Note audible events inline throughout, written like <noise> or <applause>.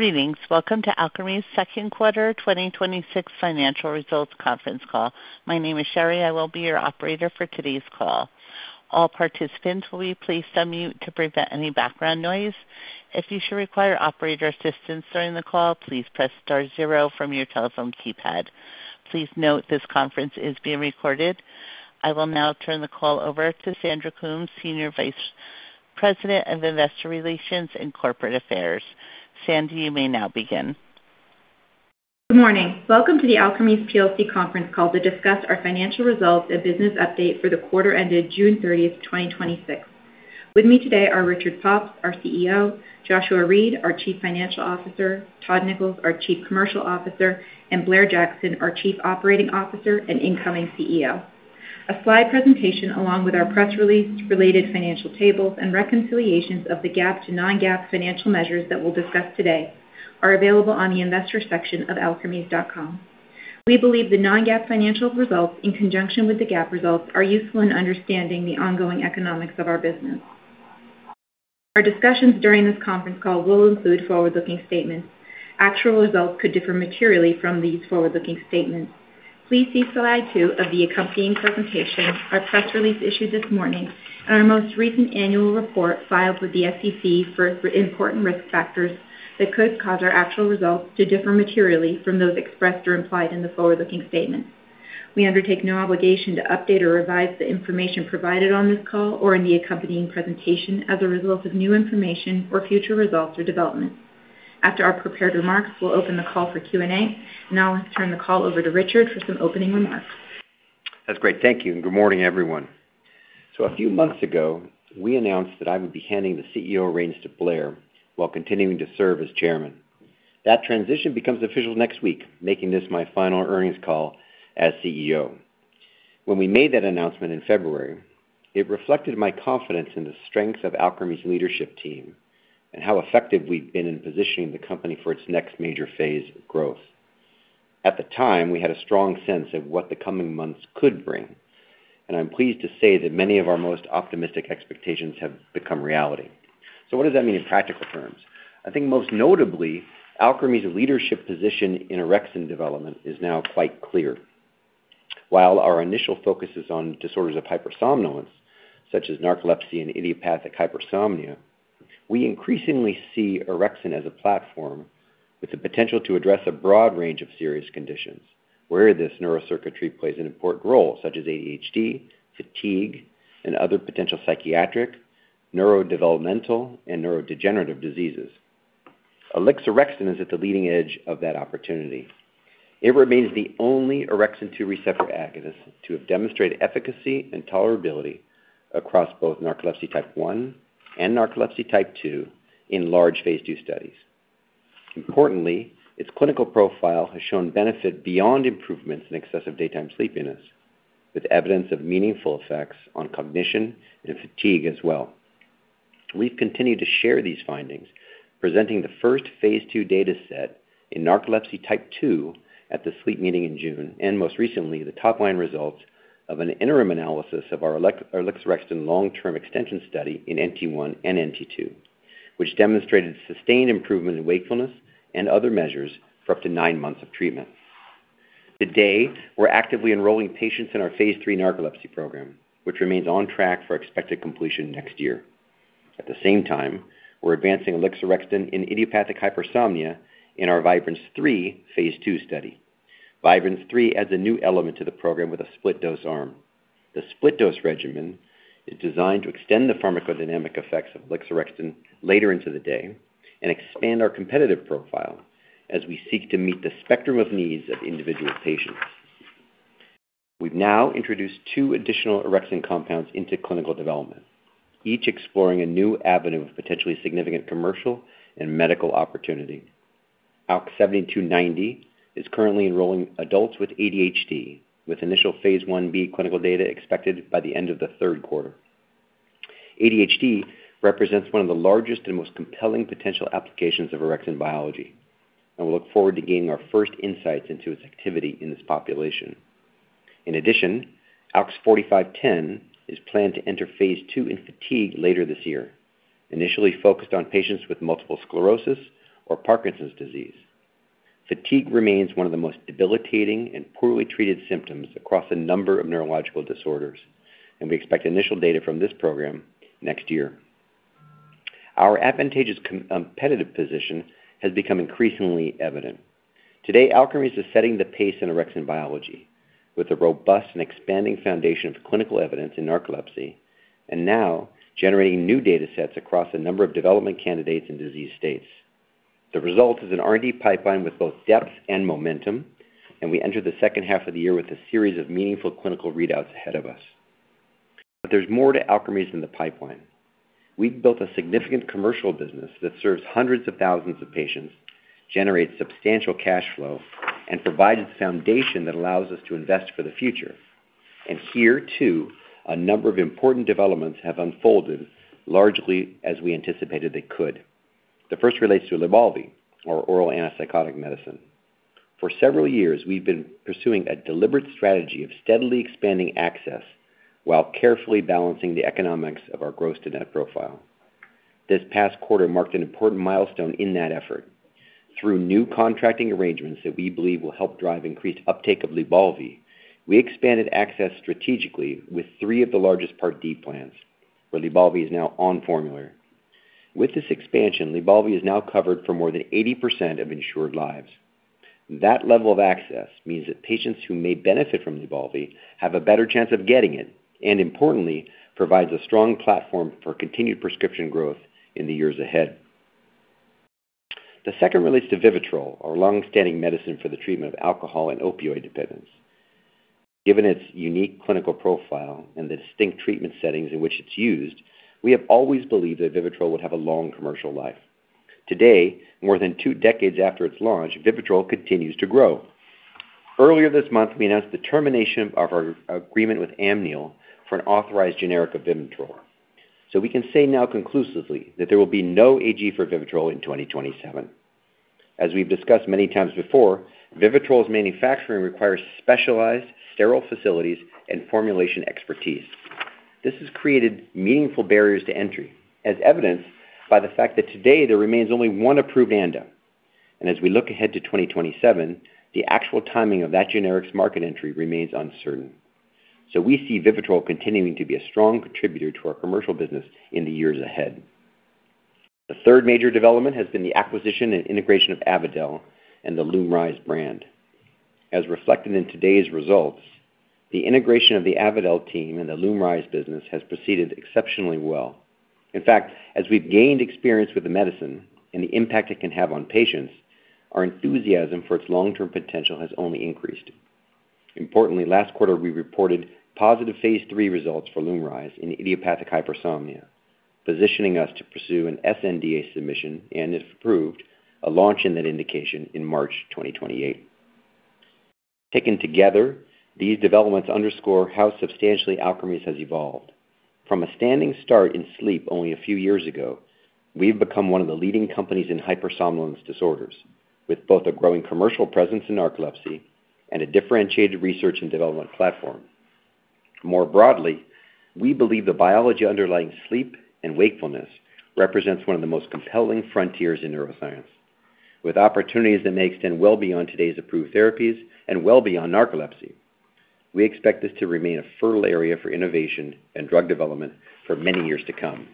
Greetings. Welcome to Alkermes' second quarter 2026 financial results conference call. My name is Sherry, I will be your operator for today's call. All participants will be placed on mute to prevent any background noise. If you should require operator assistance during the call, please press star zero from your telephone keypad. Please note this conference is being recorded. I will now turn the call over to Sandy Coombs, Senior Vice President of Investor Relations and Corporate Affairs. Sandy, you may now begin. Good morning. Welcome to the Alkermes plc conference call to discuss our financial results and business update for the quarter ended June 30th, 2026. With me today are Richard Pops, our Chief Executive Officer, Joshua Reed, our Chief Financial Officer, Todd Nichols, our Chief Commercial Officer, and Blair Jackson, our Chief Operating Officer and incoming CEO. A slide presentation, along with our press release, related financial tables, and reconciliations of the GAAP to non-GAAP financial measures that we'll discuss today are available on the investor section of alkermes.com. We believe the non-GAAP financial results, in conjunction with the GAAP results, are useful in understanding the ongoing economics of our business. Our discussions during this conference call will include forward-looking statements. Actual results could differ materially from these forward-looking statements. Please see slide two of the accompanying presentation, our press release issued this morning, and our most recent annual report filed with the SEC for important risk factors that could cause our actual results to differ materially from those expressed or implied in the forward-looking statements. We undertake no obligation to update or revise the information provided on this call or in the accompanying presentation as a result of new information or future results or developments. After our prepared remarks, we'll open the call for Q&A. Now I'll turn the call over to Richard for some opening remarks. That's great, thank you. Good morning, everyone. A few months ago, we announced that I would be handing the CEO reins to Blair while continuing to serve as Chairman. That transition becomes official next week, making this my final earnings call as CEO. When we made that announcement in February, it reflected my confidence in the strength of Alkermes' leadership team and how effective we'd been in positioning the company for its next major phase of growth. At the time, we had a strong sense of what the coming months could bring, and I'm pleased to say that many of our most optimistic expectations have become reality. What does that mean in practical terms? I think most notably, Alkermes' leadership position in orexin development is now quite clear. While our initial focus is on disorders of hypersomnolence, such as narcolepsy and idiopathic hypersomnia, we increasingly see orexin as a platform with the potential to address a broad range of serious conditions where this neurocircuitry plays an important role, such as ADHD, fatigue, and other potential psychiatric, neurodevelopmental, and neurodegenerative diseases. Alixorexton is at the leading edge of that opportunity. It remains the only orexin 2 receptor agonist to have demonstrated efficacy and tolerability across both narcolepsy type 1 and narcolepsy type 2 in large phase II studies. Importantly, its clinical profile has shown benefit beyond improvements in excessive daytime sleepiness, with evidence of meaningful effects on cognition and fatigue as well. We've continued to share these findings, presenting the first phase II data set in narcolepsy type 2 at the SLEEP meeting in June. Most recently, the top-line results of an interim analysis of our alixorexton long-term extension study in NT1 and NT2, which demonstrated sustained improvement in wakefulness and other measures for up to nine months of treatment. Today, we're actively enrolling patients in our phase III narcolepsy program, which remains on track for expected completion next year. At the same time, we're advancing alixorexton in idiopathic hypersomnia in our Vibrance-3 phase II study. Vibrance-3 adds a new element to the program with a split dose arm. The split dose regimen is designed to extend the pharmacodynamic effects of alixorexton later into the day and expand our competitive profile as we seek to meet the spectrum of needs of individual patients. We've now introduced two additional orexin compounds into clinical development, each exploring a new avenue of potentially significant commercial and medical opportunity. ALKS 7290 is currently enrolling adults with ADHD, with initial phase I-B clinical data expected by the end of the third quarter. ADHD represents one of the largest and most compelling potential applications of orexin biology. We look forward to gaining our first insights into its activity in this population. In addition, ALKS 4510 is planned to enter phase II in fatigue later this year, initially focused on patients with multiple sclerosis or Parkinson's disease. Fatigue remains one of the most debilitating and poorly treated symptoms across a number of neurological disorders. We expect initial data from this program next year. Our advantageous competitive position has become increasingly evident. Today, Alkermes is setting the pace in orexin biology with a robust and expanding foundation of clinical evidence in narcolepsy and now generating new data sets across a number of development candidates and disease states. The result is an R&D pipeline with both depth and momentum. We enter the second half of the year with a series of meaningful clinical readouts ahead of us. There's more to Alkermes than the pipeline. We've built a significant commercial business that serves hundreds of thousands of patients, generates substantial cash flow, and provides a foundation that allows us to invest for the future. Here, too, a number of important developments have unfolded largely as we anticipated they could. The first relates to LYBALVI, our oral antipsychotic medicine. For several years, we've been pursuing a deliberate strategy of steadily expanding access while carefully balancing the economics of our gross-to-net profile. This past quarter marked an important milestone in that effort. Through new contracting arrangements that we believe will help drive increased uptake of LYBALVI, we expanded access strategically with three of the largest Part D plans, where LYBALVI is now on formulary. With this expansion, LYBALVI is now covered for more than 80% of insured lives. That level of access means that patients who may benefit from LYBALVI have a better chance of getting it, and importantly, provides a strong platform for continued prescription growth in the years ahead. The second relates to VIVITROL, our longstanding medicine for the treatment of alcohol and opioid dependence. Given its unique clinical profile and the distinct treatment settings in which it's used, we have always believed that VIVITROL would have a long commercial life. Today, more than two decades after its launch, VIVITROL continues to grow. Earlier this month, we announced the termination of our agreement with Amneal for an authorized generic of VIVITROL. So we can say now conclusively that there will be no AG for VIVITROL in 2027. As we've discussed many times before, VIVITROL's manufacturing requires specialized sterile facilities and formulation expertise. This has created meaningful barriers to entry, as evidenced by the fact that today there remains only one approved ANDA. As we look ahead to 2027, the actual timing of that generic's market entry remains uncertain. So we see VIVITROL continuing to be a strong contributor to our commercial business in the years ahead. The third major development has been the acquisition and integration of Avadel and the LUMRYZ brand. As reflected in today's results, the integration of the Avadel team and the LUMRYZ business has proceeded exceptionally well. In fact, as we've gained experience with the medicine and the impact it can have on patients, our enthusiasm for its long-term potential has only increased. Importantly, last quarter we reported positive phase III results for LUMRYZ in idiopathic hypersomnia, positioning us to pursue an sNDA submission and, if approved, a launch in that indication in March 2028. Taken together, these developments underscore how substantially Alkermes has evolved. From a standing start in sleep only a few years ago, we've become one of the leading companies in hypersomnolence disorders, with both a growing commercial presence in narcolepsy and a differentiated research and development platform. More broadly, we believe the biology underlying sleep and wakefulness represents one of the most compelling frontiers in neuroscience, with opportunities that may extend well beyond today's approved therapies and well beyond narcolepsy. We expect this to remain a fertile area for innovation and drug development for many years to come.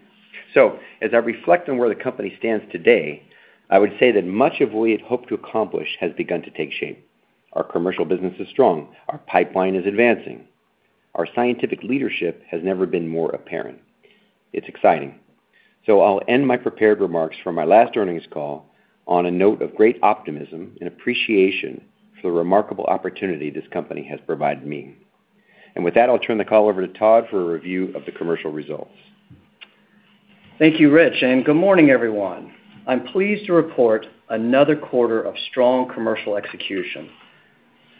As I reflect on where the company stands today, I would say that much of what we had hoped to accomplish has begun to take shape. Our commercial business is strong, our pipeline is advancing, our scientific leadership has never been more apparent. It's exciting. I'll end my prepared remarks from my last earnings call on a note of great optimism and appreciation for the remarkable opportunity this company has provided me. With that, I'll turn the call over to Todd for a review of the commercial results. Thank you, Rich, and good morning, everyone. I am pleased to report another quarter of strong commercial execution.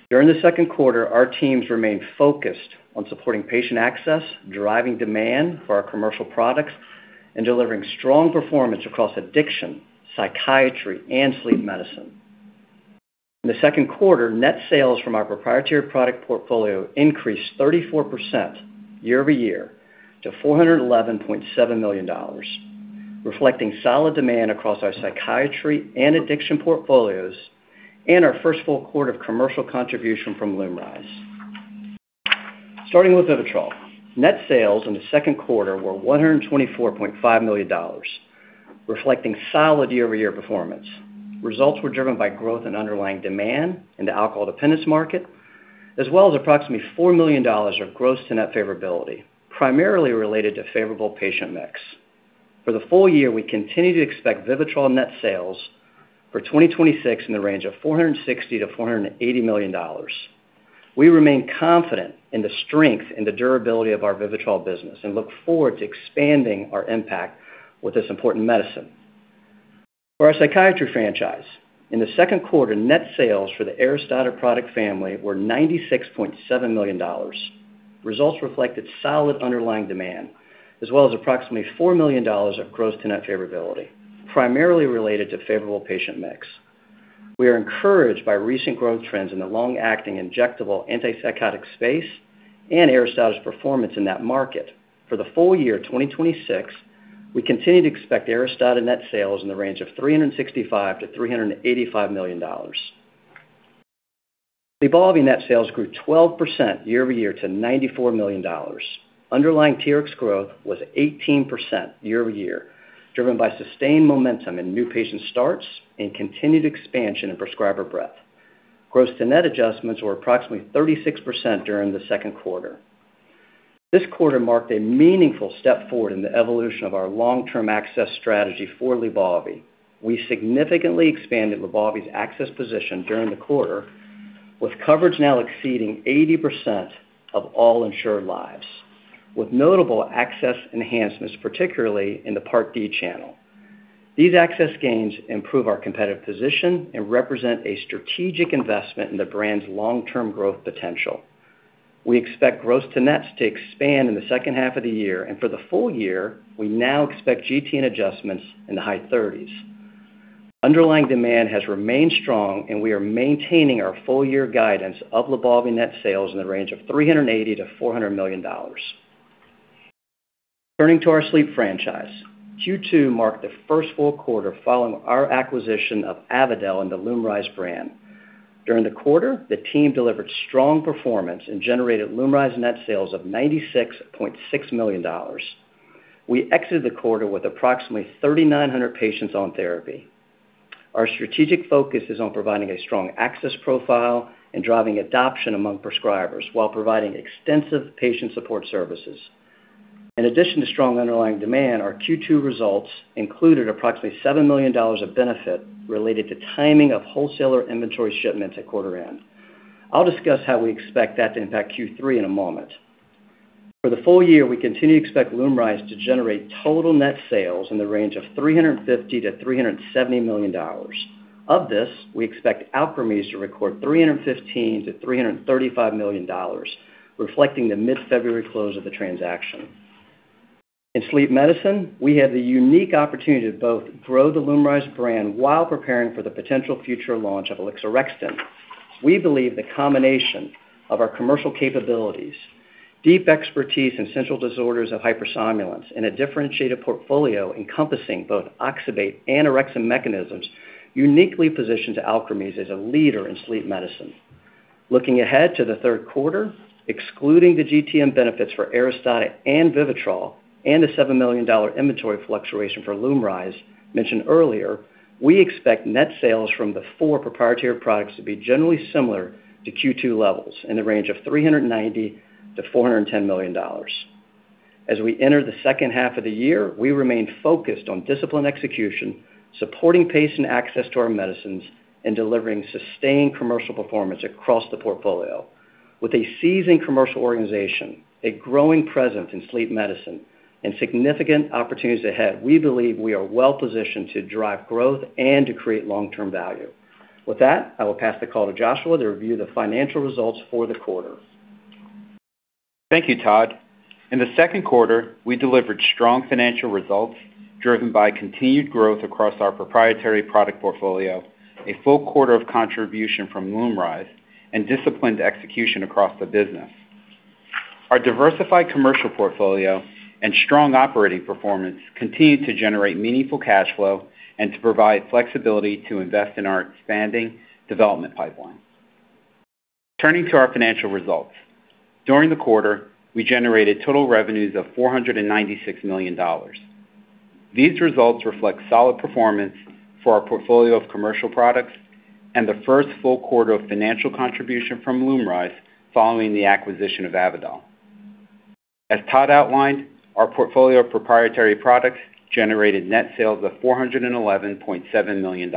During the second quarter, our teams remained focused on supporting patient access, driving demand for our commercial products, and delivering strong performance across addiction, psychiatry, and sleep medicine. In the second quarter, net sales from our proprietary product portfolio increased 34% year-over-year to $411.7 million, reflecting solid demand across our psychiatry and addiction portfolios and our first full quarter of commercial contribution from LUMRYZ. Starting with VIVITROL. Net sales in the second quarter were $124.5 million, reflecting solid year-over-year performance. Results were driven by growth in underlying demand in the alcohol dependence market, as well as approximately $4 million of gross-to-net favorability, primarily related to favorable patient mix. For the full-year, we continue to expect VIVITROL net sales for 2026 in the range of $460 million-$480 million. We remain confident in the strength and the durability of our VIVITROL business and look forward to expanding our impact with this important medicine. For our psychiatry franchise, in the second quarter, net sales for the ARISTADA product family were $96.7 million. Results reflected solid underlying demand, as well as approximately $4 million of gross-to-net favorability, primarily related to favorable patient mix. We are encouraged by recent growth trends in the long-acting injectable antipsychotic space and ARISTADA's performance in that market. For the full-year 2026, we continue to expect ARISTADA net sales in the range of $365 million-$385 million. LYBALVI net sales grew 12% year-over-year to $94 million. Underlying TRx growth was 18% year-over-year, driven by sustained momentum in new patient starts and continued expansion in prescriber breadth. Gross-to-net adjustments were approximately 36% during the second quarter. This quarter marked a meaningful step forward in the evolution of our long-term access strategy for LYBALVI. We significantly expanded LYBALVI's access position during the quarter, with coverage now exceeding 80% of all insured lives, with notable access enhancements, particularly in the Part D channel. These access gains improve our competitive position and represent a strategic investment in the brand's long-term growth potential. We expect gross-to-nets to expand in the second half of the year. For the full-year, we now expect GTN adjustments in the high 30%. Underlying demand has remained strong, and we are maintaining our full-year guidance of LYBALVI net sales in the range of $380 million-$400 million. Turning to our sleep franchise, Q2 marked the first full quarter following our acquisition of Avadel and the LUMRYZ brand. During the quarter, the team delivered strong performance and generated LUMRYZ net sales of $96.6 million. We exited the quarter with approximately 3,900 patients on therapy. Our strategic focus is on providing a strong access profile and driving adoption among prescribers while providing extensive patient support services. In addition to strong underlying demand, our Q2 results included approximately $7 million of benefit related to timing of wholesaler inventory shipments at quarter end. I will discuss how we expect that to impact Q3 in a moment. For the full-year, we continue to expect LUMRYZ to generate total net sales in the range of $350 million-$370 million. Of this, we expect Alkermes to record $315 million-$335 million, reflecting the mid-February close of the transaction. In sleep medicine, we have the unique opportunity to both grow the LUMRYZ brand while preparing for the potential future launch of alixorexton. We believe the combination of our commercial capabilities, deep expertise in central disorders of hypersomnolence, and a differentiated portfolio encompassing both oxybate and orexin mechanisms uniquely positions Alkermes as a leader in sleep medicine. Looking ahead to the third quarter, excluding the GTN benefits for ARISTADA and VIVITROL and the $7 million inventory fluctuation for LUMRYZ mentioned earlier, we expect net sales from the four proprietary products to be generally similar to Q2 levels in the range of $390 million-$410 million. As we enter the second half of the year, we remain focused on disciplined execution, supporting patient access to our medicines, and delivering sustained commercial performance across the portfolio. With a seasoned commercial organization, a growing presence in sleep medicine, and significant opportunities ahead, we believe we are well positioned to drive growth and to create long-term value. With that, I will pass the call to Joshua to review the financial results for the quarter. Thank you, Todd. In the second quarter, we delivered strong financial results driven by continued growth across our proprietary product portfolio, a full quarter of contribution from LUMRYZ, and disciplined execution across the business. Our diversified commercial portfolio and strong operating performance continue to generate meaningful cash flow and to provide flexibility to invest in our expanding development pipeline. Turning to our financial results. During the quarter, we generated total revenues of $496 million. These results reflect solid performance for our portfolio of commercial products and the first full quarter of financial contribution from LUMRYZ following the acquisition of Avadel. As Todd outlined, our portfolio of proprietary products generated net sales of $411.7 million.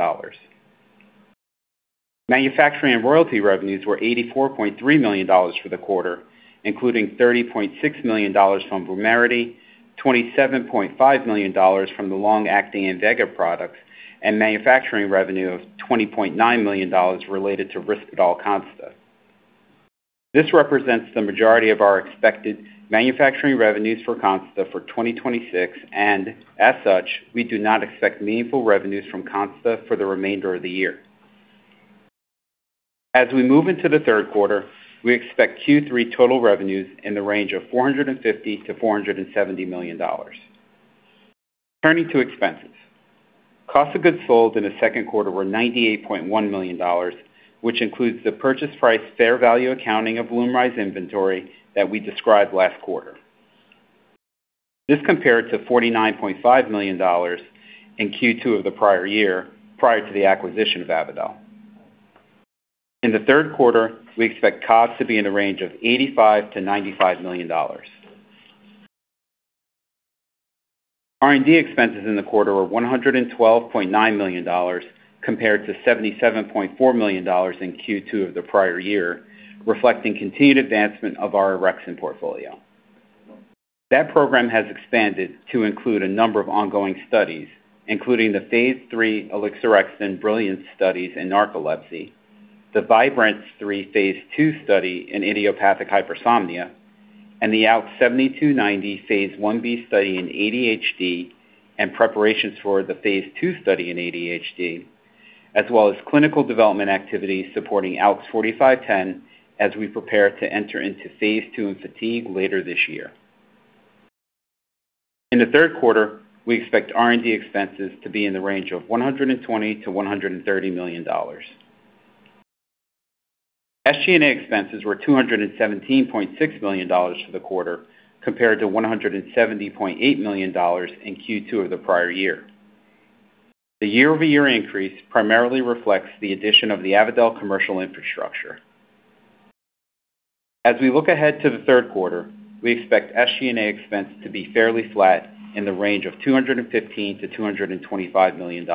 Manufacturing and royalty revenues were $84.3 million for the quarter, including $30.6 million from VUMERITY, $27.5 million from the long-acting INVEGA product, and manufacturing revenue of $20.9 million related to RISPERDAL CONSTA. This represents the majority of our expected manufacturing revenues for CONSTA for 2026, and as such, we do not expect meaningful revenues from CONSTA for the remainder of the year. As we move into the third quarter, we expect Q3 total revenues in the range of $450 million-$470 million. Turning to expenses. Cost of goods sold in the second quarter were $98.1 million, which includes the purchase price fair value accounting of LUMRYZ inventory that we described last quarter. This compared to $49.5 million in Q2 of the prior year, prior to the acquisition of Avadel. In the third quarter, we expect costs to be in the range of $85 million-$95 million. R&D expenses in the quarter were $112.9 million, compared to $77.4 million in Q2 of the prior year, reflecting continued advancement of our orexin portfolio. That program has expanded to include a number of ongoing studies, including the phase III alixorexton Brilliance studies in narcolepsy, the Vibrance-3 phase II study in idiopathic hypersomnia, and the ALKS 7290 phase I-B study in ADHD and preparations for the phase II study in ADHD, as well as clinical development activities supporting ALKS 4510 as we prepare to enter into phase II in fatigue later this year. In the third quarter, we expect R&D expenses to be in the range of $120 million-$130 million. SG&A expenses were $217.6 million for the quarter, compared to $170.8 million in Q2 of the prior year. The year-over-year increase primarily reflects the addition of the Avadel commercial infrastructure. As we look ahead to the third quarter, we expect SG&A expense to be fairly flat in the range of $215 million-$225 million.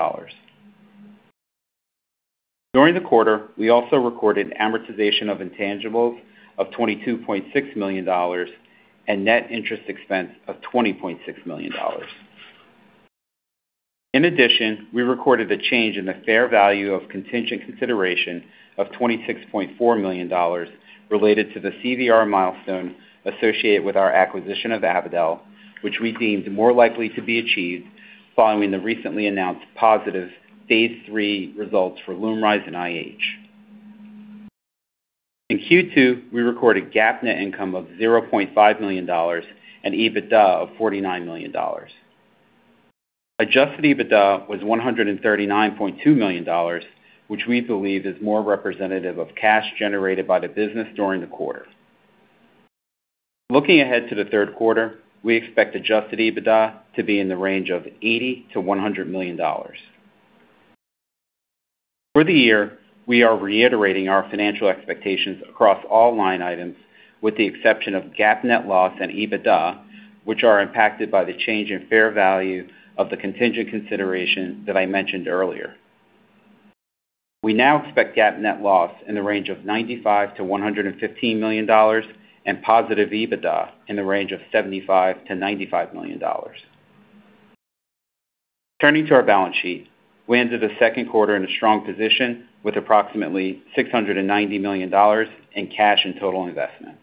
During the quarter, we also recorded amortization of intangibles of $22.6 million and net interest expense of $20.6 million. In addition, we recorded the change in the fair value of contingent consideration of $26.4 million related to the CVR milestone associated with our acquisition of Avadel, which we deemed more likely to be achieved following the recently announced positive phase III results for LUMRYZ in IH. In Q2, we recorded GAAP net income of $0.5 million and EBITDA of $49 million. Adjusted EBITDA was $139.2 million, which we believe is more representative of cash generated by the business during the quarter. Looking ahead to the third quarter, we expect adjusted EBITDA to be in the range of $80 million-$100 million. For the year, we are reiterating our financial expectations across all line items with the exception of GAAP net loss and EBITDA, which are impacted by the change in fair value of the contingent consideration that I mentioned earlier. We now expect GAAP net loss in the range of $95 million-$115 million and positive EBITDA in the range of $75 million-$95 million. Turning to our balance sheet, we ended the second quarter in a strong position with approximately $690 million in cash and total investments.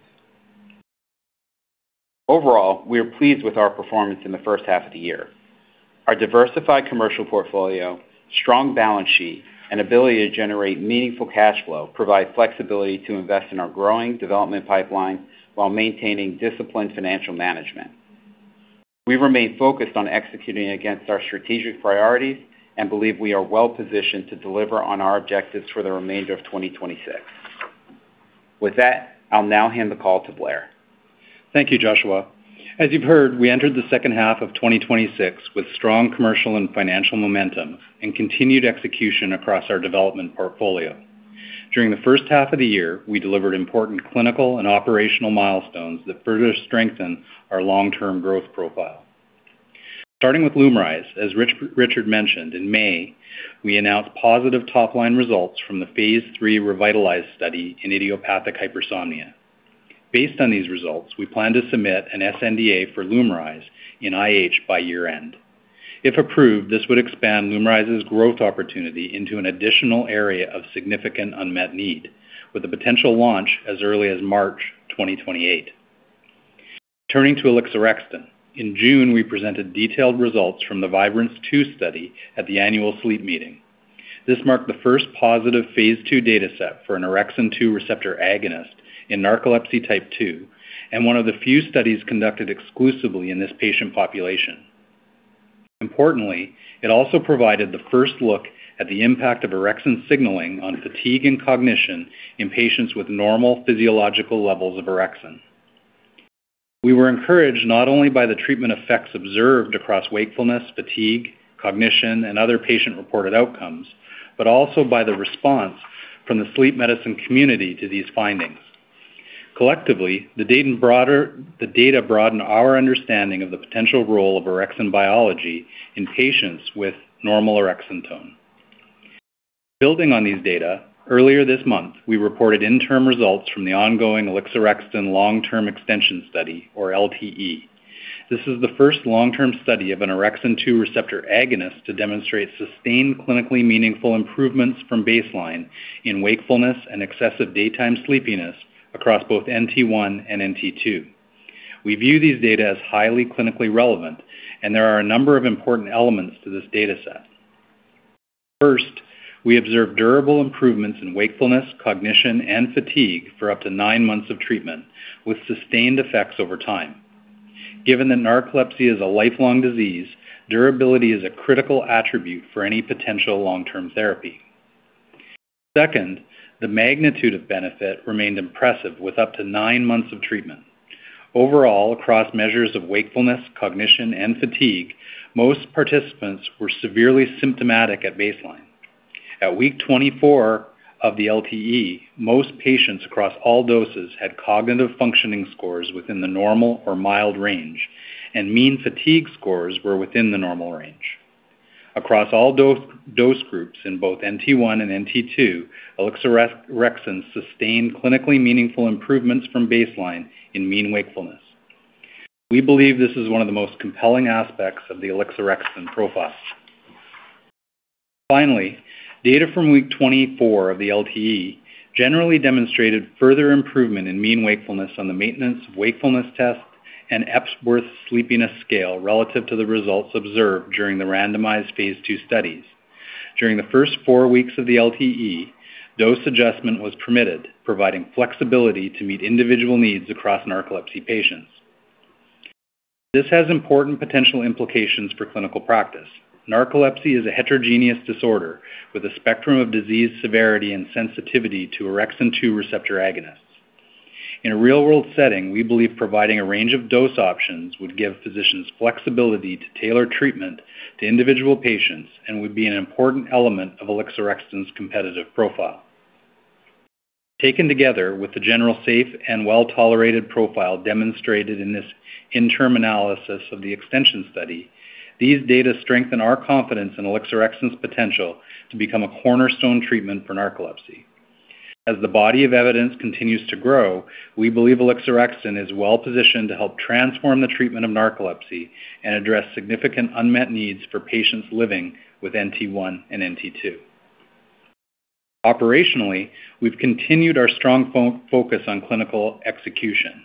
Overall, we are pleased with our performance in the first half of the year. Our diversified commercial portfolio, strong balance sheet, and ability to generate meaningful cash flow provide flexibility to invest in our growing development pipeline while maintaining disciplined financial management. We remain focused on executing against our strategic priorities and believe we are well positioned to deliver on our objectives for the remainder of 2026. With that, I'll now hand the call to Blair. Thank you, Joshua. As you've heard, we entered the second half of 2026 with strong commercial and financial momentum and continued execution across our development portfolio. During the first half of the year, we delivered important clinical and operational milestones that further strengthen our long-term growth profile. Starting with LUMRYZ, as Richard mentioned, in May, we announced positive top-line results from the phase III REVITALYZ study in idiopathic hypersomnia. Based on these results, we plan to submit an sNDA for LUMRYZ in IH by year-end. If approved, this would expand LUMRYZ's growth opportunity into an additional area of significant unmet need, with a potential launch as early as March 2028. Turning to alixorexton, in June, we presented detailed results from the Vibrance-2 study at the annual SLEEP meeting. This marked the first positive phase II data set for an orexin 2 receptor agonist in narcolepsy type 2, and one of the few studies conducted exclusively in this patient population. Importantly, it also provided the first look at the impact of orexin signaling on fatigue and cognition in patients with normal physiological levels of orexin. We were encouraged not only by the treatment effects observed across wakefulness, fatigue, cognition, and other patient-reported outcomes, but also by the response from the sleep medicine community to these findings. Collectively, the data broadened our understanding of the potential role of orexin biology in patients with normal orexin tone. Building on these data, earlier this month, we reported interim results from the ongoing alixorexton long-term extension study, or LTE. This is the first long-term study of an orexin 2 receptor agonist to demonstrate sustained, clinically meaningful improvements from baseline in wakefulness and excessive daytime sleepiness across both NT1 and NT2. We view these data as highly clinically relevant, and there are a number of important elements to this data set. First, we observed durable improvements in wakefulness, cognition, and fatigue for up to nine months of treatment, with sustained effects over time. Given that narcolepsy is a lifelong disease, durability is a critical attribute for any potential long-term therapy. Second, the magnitude of benefit remained impressive with up to nine months of treatment. Overall, across measures of wakefulness, cognition, and fatigue, most participants were severely symptomatic at baseline. At week 24 of the LTE, most patients across all doses had cognitive functioning scores within the normal or mild range, and mean fatigue scores were within the normal range. Across all dose groups in both NT1 and NT2, alixorexton sustained clinically meaningful improvements from baseline in mean wakefulness. We believe this is one of the most compelling aspects of the alixorexton profile. Finally, data from week 24 of the LTE generally demonstrated further improvement in mean wakefulness on the Maintenance of Wakefulness Test and Epworth Sleepiness Scale relative to the results observed during the randomized phase II studies. During the first four weeks of the LTE, dose adjustment was permitted, providing flexibility to meet individual needs across narcolepsy patients. This has important potential implications for clinical practice. Narcolepsy is a heterogeneous disorder with a spectrum of disease severity and sensitivity to orexin 2 receptor agonists. In a real-world setting, we believe providing a range of dose options would give physicians flexibility to tailor treatment to individual patients and would be an important element of alixorexton's competitive profile. Taken together with the general safe and well-tolerated profile demonstrated in this interim analysis of the extension study, these data strengthen our confidence in alixorexton's potential to become a cornerstone treatment for narcolepsy. As the body of evidence continues to grow, we believe alixorexton is well-positioned to help transform the treatment of narcolepsy and address significant unmet needs for patients living with NT1 and NT2. Operationally, we've continued our strong focus on clinical execution.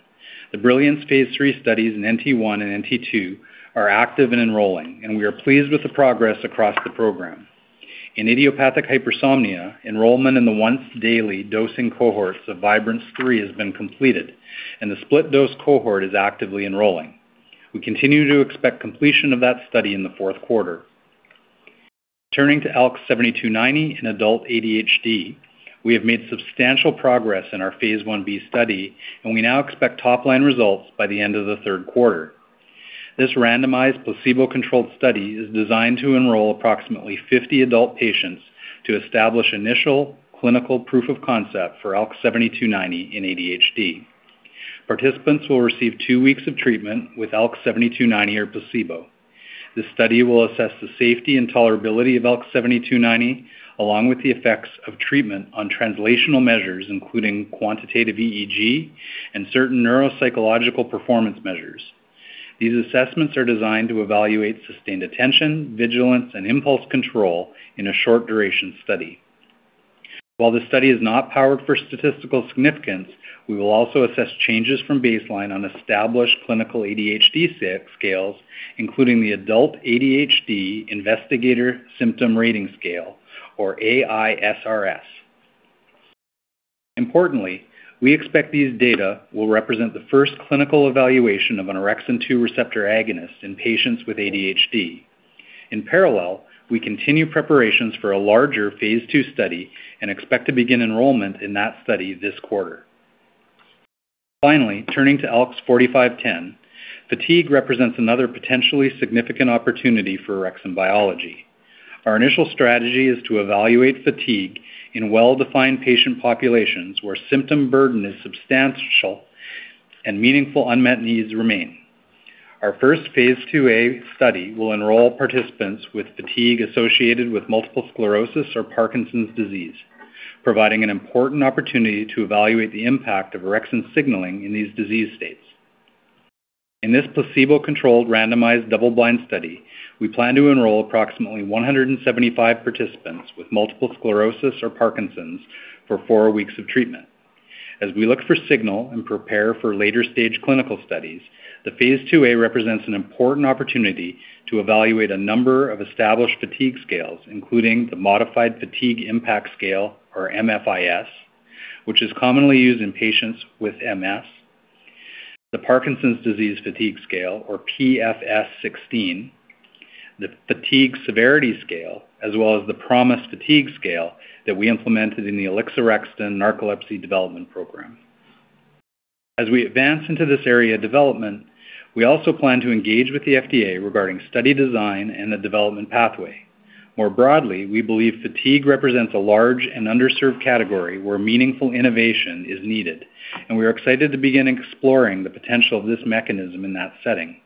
The Brilliance phase III studies in NT1 and NT2 are active and enrolling, and we are pleased with the progress across the program. In idiopathic hypersomnia, enrollment in the once-daily dosing cohorts of Vibrance-3 has been completed, and the split dose cohort is actively enrolling. We continue to expect completion of that study in the fourth quarter. Turning to ALKS 7290 in adult ADHD, we have made substantial progress in our phase I-B study, and we now expect top-line results by the end of the third quarter. This randomized, placebo-controlled study is designed to enroll approximately 50 adult patients to establish initial clinical proof of concept for ALKS 7290 in ADHD. Participants will receive two weeks of treatment with ALKS 7290 or placebo. This study will assess the safety and tolerability of ALKS 7290, along with the effects of treatment on translational measures, including quantitative EEG and certain neuropsychological performance measures. These assessments are designed to evaluate sustained attention, vigilance, and impulse control in a short-duration study. While this study is not powered for statistical significance, we will also assess changes from baseline on established clinical ADHD scales, including the Adult ADHD Investigator Symptom Rating Scale, or AISRS. Importantly, we expect these data will represent the first clinical evaluation of an orexin 2 receptor agonist in patients with ADHD. In parallel, we continue preparations for a larger phase II study and expect to begin enrollment in that study this quarter. Finally, turning to ALKS 4510, fatigue represents another potentially significant opportunity for orexin biology. Our initial strategy is to evaluate fatigue in well-defined patient populations where symptom burden is substantial and meaningful unmet needs remain. Our first phase II-A study will enroll participants with fatigue associated with multiple sclerosis or Parkinson's disease, providing an important opportunity to evaluate the impact of orexin signaling in these disease states. In this placebo-controlled, randomized, double-blind study, we plan to enroll approximately 175 participants with multiple sclerosis or Parkinson's for four weeks of treatment. As we look for signal and prepare for later-stage clinical studies, the phase II-A represents an important opportunity to evaluate a number of established fatigue scales, including the Modified Fatigue Impact Scale, or MFIS, which is commonly used in patients with MS; the Parkinson's Disease Fatigue Scale, or PFS-16; the Fatigue Severity Scale; as well as the PROMIS-Fatigue scale that we implemented in the alixorexton narcolepsy development program. As we advance into this area of development, we also plan to engage with the FDA regarding study design and the development pathway. More broadly, we believe fatigue represents a large and underserved category where meaningful innovation is needed, and we are excited to begin exploring the potential of this mechanism in that setting.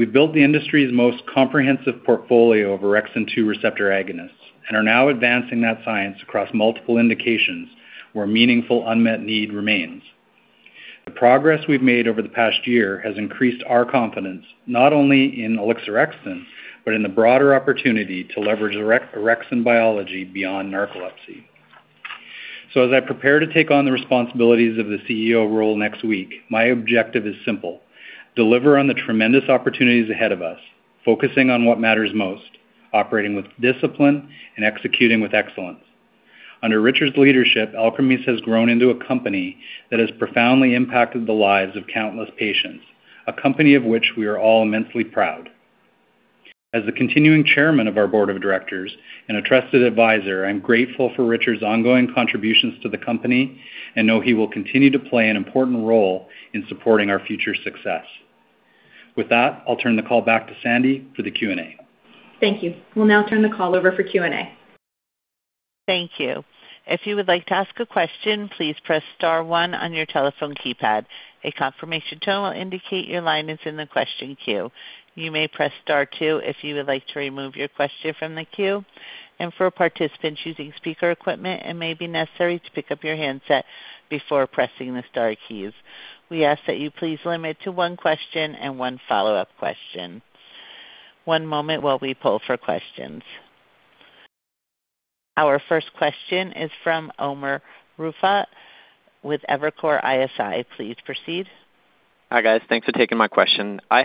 We've built the industry's most comprehensive portfolio of orexin 2 receptor agonists and are now advancing that science across multiple indications where meaningful unmet need remains. The progress we've made over the past year has increased our confidence not only in alixorexton but in the broader opportunity to leverage orexin biology beyond narcolepsy. As I prepare to take on the responsibilities of the CEO role next week, my objective is simple: deliver on the tremendous opportunities ahead of us, focusing on what matters most, operating with discipline, and executing with excellence. Under Richard's leadership, Alkermes has grown into a company that has profoundly impacted the lives of countless patients, a company of which we are all immensely proud. As the continuing Chairman of our board of directors and a trusted advisor, I'm grateful for Richard's ongoing contributions to the company and know he will continue to play an important role in supporting our future success. With that, I'll turn the call back to Sandy for the Q&A. Thank you. We'll now turn the call over for Q&A. Thank you. If you would like to ask a question, please press star one on your telephone keypad. A confirmation tone will indicate your line is in the question queue. You may press star two if you would like to remove your question from the queue. For participants using speaker equipment, it may be necessary to pick up your handset before pressing the star keys. We ask that you please limit to one question and one follow-up question. One moment while we poll for questions. Our first question is from Umer Raffat with Evercore ISI. Please proceed. Hi, guys. Thanks for taking my question. I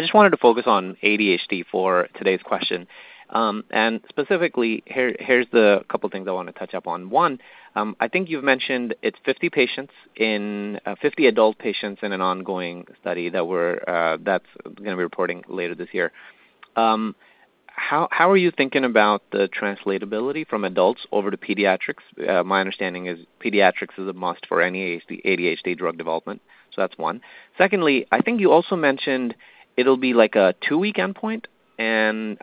just wanted to focus on ADHD for today's question. Specifically, here's the couple things I want to touch up on. One, I think you've mentioned it's 50 adult patients in an ongoing study that's going to be reporting later this year. How are you thinking about the translatability from adults over to pediatrics? My understanding is pediatrics is a must for any ADHD drug development. That's one. Secondly, I think you also mentioned it'll be like a two-week endpoint, and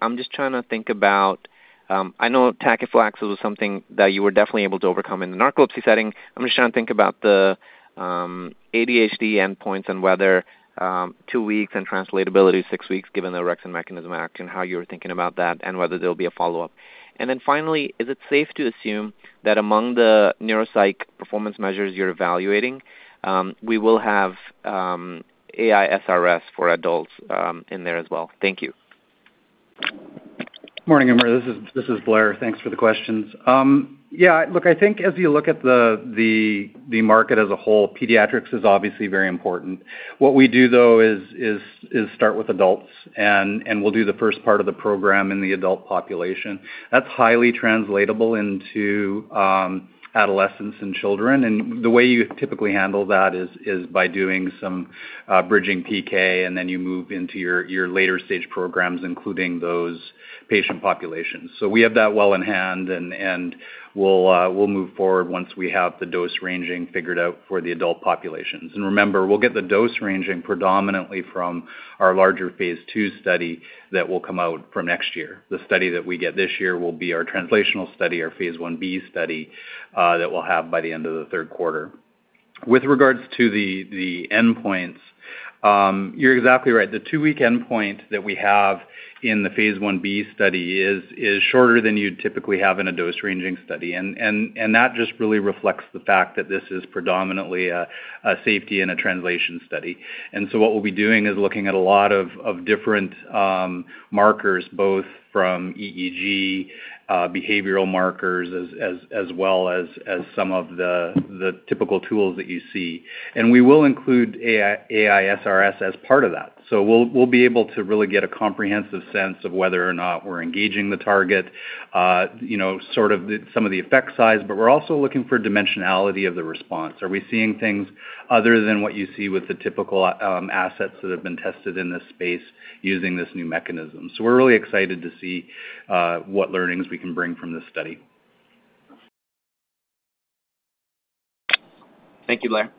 I know tachyphylaxis was something that you were definitely able to overcome in the narcolepsy setting. I'm just trying to think about the ADHD endpoints and whether two weeks and translatability six weeks, given the orexin mechanism of action, how you're thinking about that and whether there'll be a follow-up. Finally, is it safe to assume that among the neuropsych performance measures you're evaluating, we will have AISRS for adults in there as well? Thank you. Morning, Umer. This is Blair. Thanks for the questions. Yeah, look, I think as you look at the market as a whole, pediatrics is obviously very important. What we do though is start with adults, and we'll do the first part of the program in the adult population. That's highly translatable into adolescents and children. The way you typically handle that is by doing some bridging PK, then you move into your later stage programs, including those patient populations. We have that well in hand, and we'll move forward once we have the dose ranging figured out for the adult populations. Remember, we'll get the dose ranging predominantly from our larger phase II study that will come out for next year. The study that we get this year will be our translational study, our phase I-B study, that we'll have by the end of the third quarter. With regards to the endpoints, you're exactly right. The two-week endpoint that we have in the phase I-B study is shorter than you'd typically have in a dose ranging study. That just really reflects the fact that this is predominantly a safety and a translation study. What we'll be doing is looking at a lot of different markers, both from EEG, behavioral markers, as well as some of the typical tools that you see. We will include AISRS as part of that. We'll be able to really get a comprehensive sense of whether or not we're engaging the target, sort of some of the effect size, but we're also looking for dimensionality of the response. Are we seeing things other than what you see with the typical assets that have been tested in this space using this new mechanism? We're really excited to see what learnings we can bring from this study. Thank you, Blair.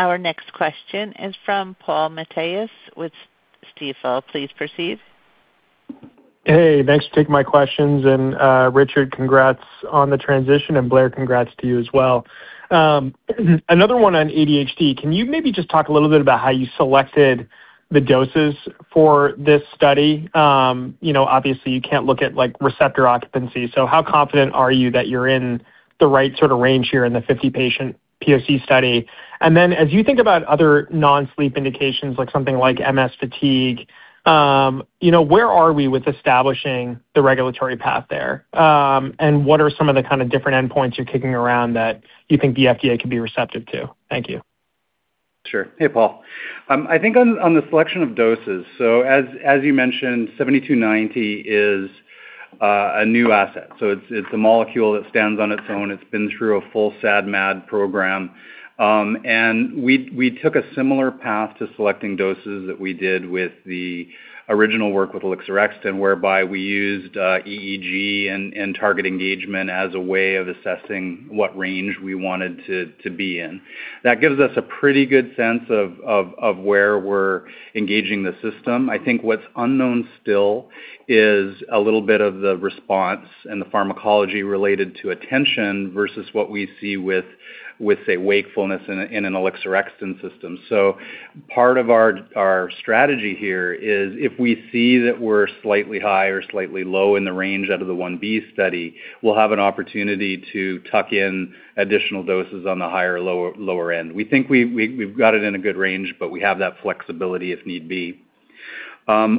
Our next question is from Paul Matteis with Stifel. Please proceed. Hey, thanks for taking my questions, Richard, congrats on the transition, Blair, congrats to you as well. Another one on ADHD. Can you maybe just talk a little bit about how you selected the doses for this study? Obviously, you can't look at receptor occupancy, so how confident are you that you're in the right sort of range here in the 50-patient POC study? Then as you think about other non-sleep indications, like something like MS fatigue, where are we with establishing the regulatory path there? And what are some of the kind of different endpoints you're kicking around that you think the FDA could be receptive to? Thank you. Sure. Hey, Paul. I think on the selection of doses, so as you mentioned, ALKS 7290 is a new asset. It's a molecule that stands on its own. It's been through a full SAD/MAD program. We took a similar path to selecting doses that we did with the original work with alixorexton, whereby we used EEG and target engagement as a way of assessing what range we wanted to be in. That gives us a pretty good sense of where we're engaging the system. I think what's unknown still is a little bit of the response and the pharmacology related to attention versus what we see with, say, wakefulness in an alixorexton system. Part of our strategy here is if we see that we're slightly high or slightly low in the range out of the phase I-B study, we'll have an opportunity to tuck in additional doses on the higher or lower end. We think we've got it in a good range, but we have that flexibility if need be.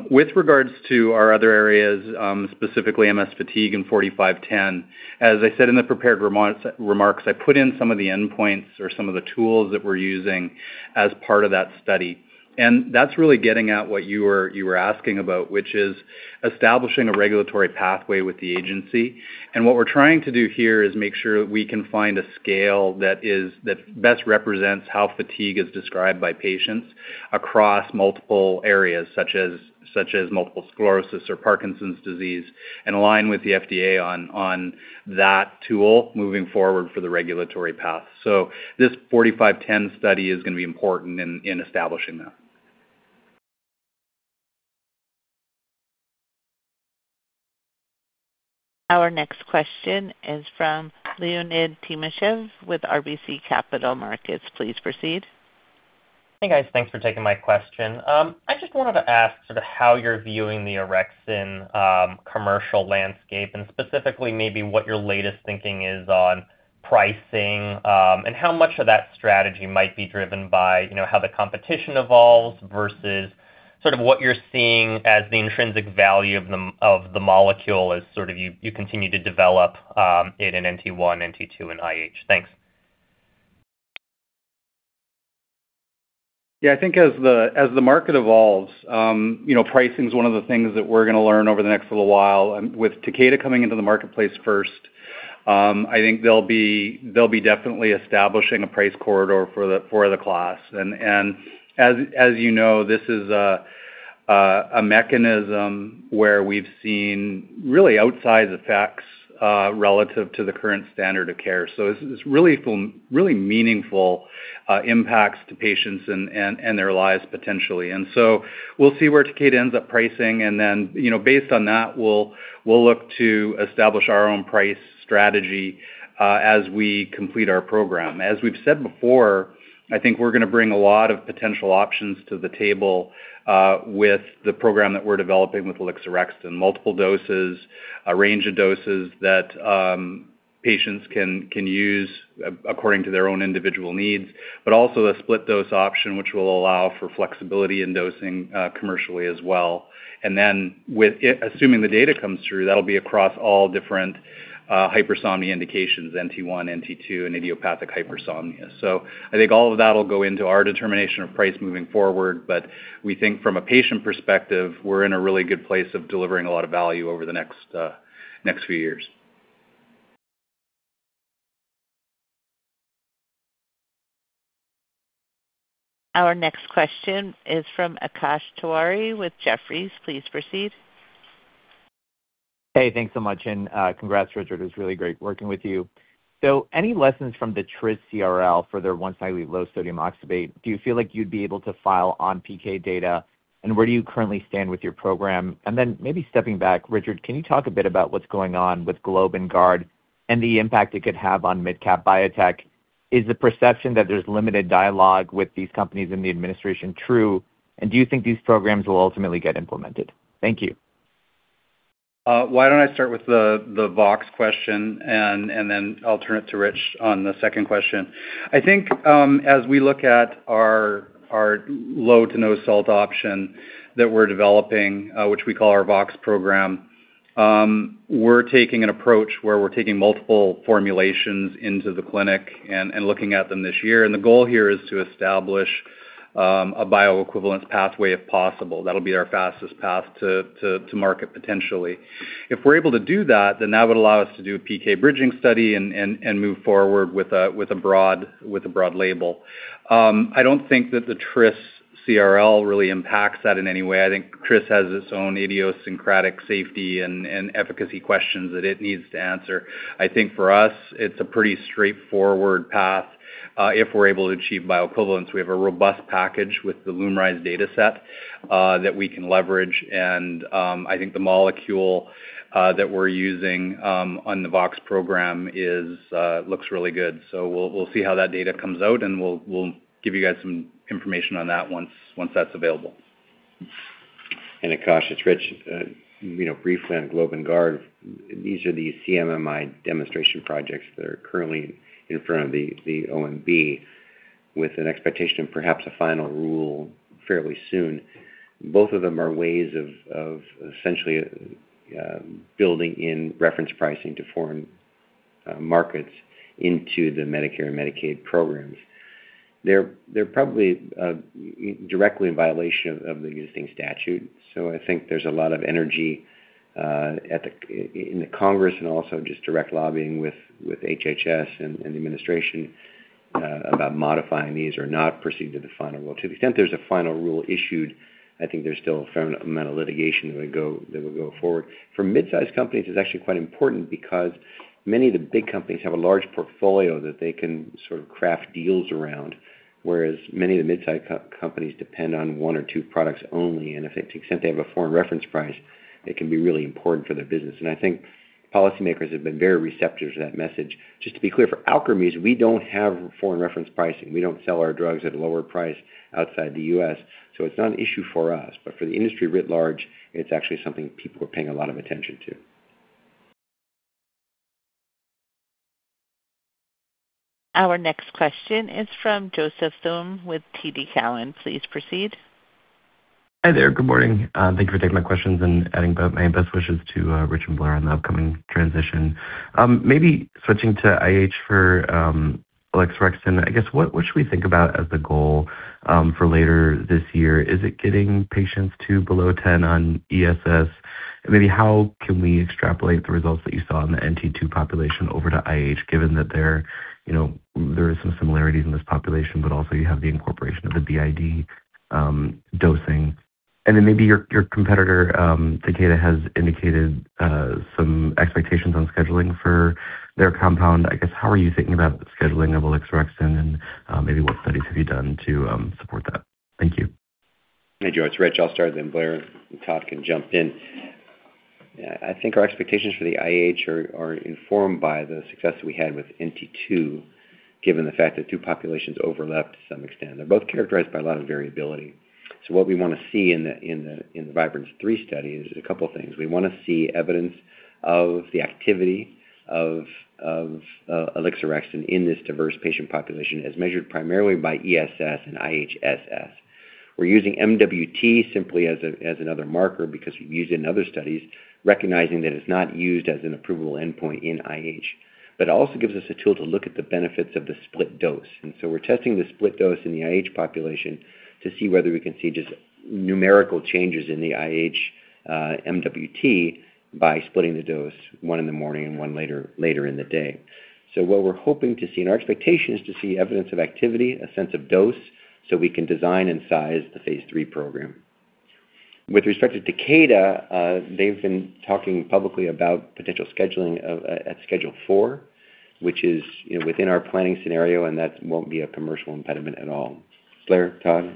With regards to our other areas, specifically MS fatigue and ALKS 4510, as I said in the prepared remarks, I put in some of the endpoints or some of the tools that we're using as part of that study. That's really getting at what you were asking about, which is establishing a regulatory pathway with the agency. What we're trying to do here is make sure that we can find a scale that best represents how fatigue is described by patients across multiple areas, such as multiple sclerosis or Parkinson's disease, and align with the FDA on that tool moving forward for the regulatory path. This ALKS 4510 study is going to be important in establishing that. Our next question is from Leonid Timashev with RBC Capital Markets. Please proceed. Hey, guys. Thanks for taking my question. I just wanted to ask sort of how you're viewing the orexin commercial landscape and specifically maybe what your latest thinking is on pricing and how much of that strategy might be driven by how the competition evolves versus sort of what you're seeing as the intrinsic value of the molecule as sort of you continue to develop it in NT1, NT2, and IH. Thanks. I think as the market evolves, pricing is one of the things that we're going to learn over the next little while. With Takeda coming into the marketplace first, I think they'll be definitely establishing a price corridor for the class. As you know, this is a mechanism where we've seen really outsized effects relative to the current standard of care. It's really meaningful impacts to patients and their lives potentially. We'll see where Takeda ends up pricing, then based on that, we'll look to establish our own price strategy as we complete our program. As we've said before, I think we're going to bring a lot of potential options to the table with the program that we're developing with alixorexton. Multiple doses, a range of doses that patients can use according to their own individual needs, also the split dose option, which will allow for flexibility in dosing commercially as well. Assuming the data comes through, that will be across all different hypersomnia indications, NT1, NT2, and idiopathic hypersomnia. I think all of that will go into our determination of price moving forward. We think from a patient perspective, we're in a really good place of delivering a lot of value over the next few years. Our next question is from Akash Tewari with Jefferies. Please proceed. Thanks so much, and congrats, Richard. It was really great working with you. Any lessons from the Tris CRL for their once-weekly low sodium oxybate? Do you feel like you'd be able to file on PK data? Where do you currently stand with your program? Maybe stepping back, Richard, can you talk a bit about what's going on with GLOBE and GUARD and the impact it could have on mid-cap biotech? Is the perception that there's limited dialogue with these companies in the administration true, and do you think these programs will ultimately get implemented? Thank you. Why don't I start with the Vox question. Then I'll turn it to Rich on the second question. I think as we look at our low to no salt option that we're developing, which we call our Vox program, we're taking an approach where we're taking multiple formulations into the clinic and looking at them this year. The goal here is to establish a bioequivalence pathway, if possible. That'll be our fastest path to market, potentially. If we're able to do that, then that would allow us to do a PK bridging study and move forward with a broad label. I don't think that the Tris CRL really impacts that in any way. I think Tris has its own idiosyncratic safety and efficacy questions that it needs to answer. I think for us, it's a pretty straightforward path if we're able to achieve bioequivalence. We have a robust package with the LUMRYZ data set that we can leverage, and I think the molecule that we're using on the Vox program looks really good. We'll see how that data comes out, and we'll give you guys some information on that once that's available. Akash, it's Rich. Briefly on GLOBE and GUARD, these are the CMMI demonstration projects that are currently in front of the OMB with an expectation of perhaps a final rule fairly soon. Both of them are ways of essentially building in reference pricing to foreign markets into the Medicare and Medicaid programs. They're probably directly in violation of the existing statute. I think there's a lot of energy in the Congress and also just direct lobbying with HHS and the administration about modifying these or not proceeding to the final rule. To the extent there's a final rule issued, I think there's still a fair amount of litigation that would go forward. For midsize companies, it's actually quite important because many of the big companies have a large portfolio that they can sort of craft deals around, whereas many of the midsize companies depend on one or two products only. To the extent they have a foreign reference price, it can be really important for their business. I think policymakers have been very receptive to that message. Just to be clear, for Alkermes, we don't have foreign reference pricing. We don't sell our drugs at a lower price outside the U.S., so it's not an issue for us. For the industry writ large, it's actually something people are paying a lot of attention to. Our next question is from Joseph Thome with TD Cowen. Please proceed. Hi there. Good morning, and Thank you for taking my questions and adding my best wishes to Rich and Blair on the upcoming transition. Maybe switching to IH for alixorexton, I guess, what should we think about as the goal for later this year? Is it getting patients to below 10 on ESS? How can we extrapolate the results that you saw in the NT2 population over to IH, given that there is some similarities in this population, but also you have the incorporation of the BID dosing? Maybe your competitor, Takeda, has indicated some expectations on scheduling for their compound. I guess, how are you thinking about the scheduling of alixorexton, and maybe what studies have you done to support that? Thank you. Hey, Joe, it's Rich. I'll start, then Blair and Todd can jump in. I think our expectations for the IH are informed by the success we had with NT2, given the fact that two populations overlapped to some extent. They're both characterized by a lot of variability. What we want to see in the Vibrance-3 study is a couple of things. We want to see evidence of the activity of alixorexton in this diverse patient population as measured primarily by ESS and IHSS. We're using MWT simply as another marker because we've used it in other studies, recognizing that it's not used as an approval endpoint in IH. It also gives us a tool to look at the benefits of the split dose. We're testing the split dose in the IH population to see whether we can see just numerical changes in the IH MWT by splitting the dose, one in the morning and one later in the day. What we're hoping to see and our expectation is to see evidence of activity, a sense of dose, so we can design and size the phase III program. With respect to Takeda, they've been talking publicly about potential scheduling at Schedule IV, which is within our planning scenario, and that won't be a commercial impediment at all. Blair, Todd?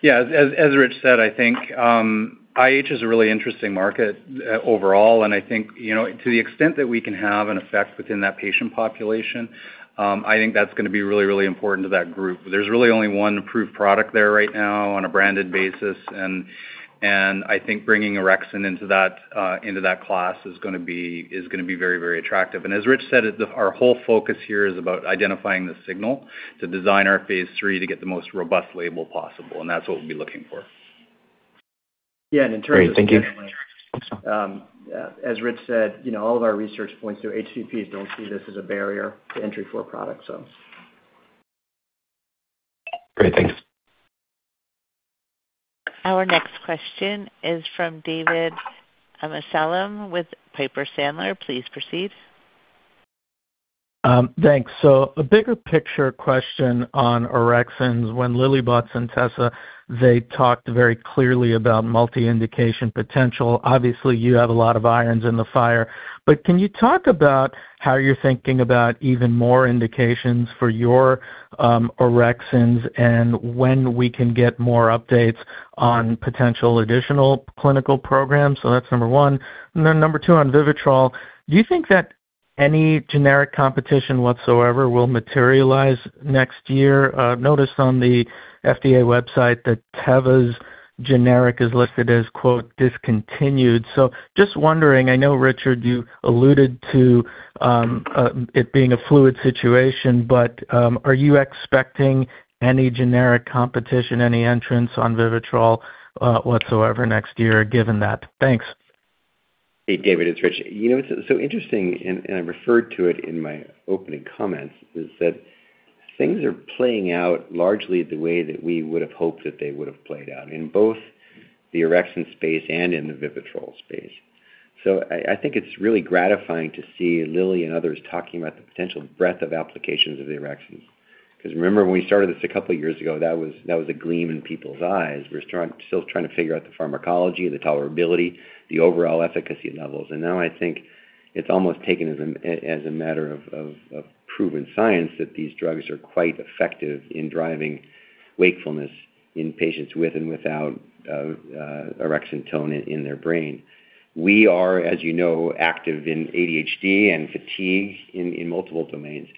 Yeah. As Rich said, I think IH is a really interesting market overall. I think to the extent that we can have an effect within that patient population, I think that's going to be really important to that group. There's really only one approved product there right now on a branded basis and I think bringing orexin into that class is going to be very attractive. As Rich said, our whole focus here is about identifying the signal to design our phase III to get the most robust label possible, and that's what we'll be looking for. Great, thank you. As Rich said, all of our research points to HCPs don't see this as a barrier to entry for a product. Great. Thanks. Our next question is from David Amsellem with Piper Sandler. Please proceed. Thanks. A bigger picture question on orexins. When Lilly bought Centessa, they talked very clearly about multi-indication potential. Obviously, you have a lot of irons in the fire, but can you talk about how you're thinking about even more indications for your orexins and when we can get more updates on potential additional clinical programs? That's number one. Number two, on VIVITROL, do you think that any generic competition whatsoever will materialize next year? I've noticed on the FDA website that Teva's generic is listed as "discontinued." Just wondering, I know, Richard, you alluded to it being a fluid situation, but, are you expecting any generic competition, any entrants on VIVITROL, whatsoever next year, given that? Thanks. Hey, David, it's Rich. It's so interesting, I referred to it in my opening comments, is that things are playing out largely the way that we would've hoped that they would've played out in both the orexin space and in the VIVITROL space. I think it's really gratifying to see Lilly and others talking about the potential breadth of applications of the orexins. Remember when we started this a couple of years ago, that was a gleam in people's eyes. We're still trying to figure out the pharmacology, the tolerability, the overall efficacy levels. Now I think it's almost taken as a matter of proven science that these drugs are quite effective in driving wakefulness in patients with and without orexin tone in their brain. We are, as you know, active in ADHD and fatigue in multiple domains,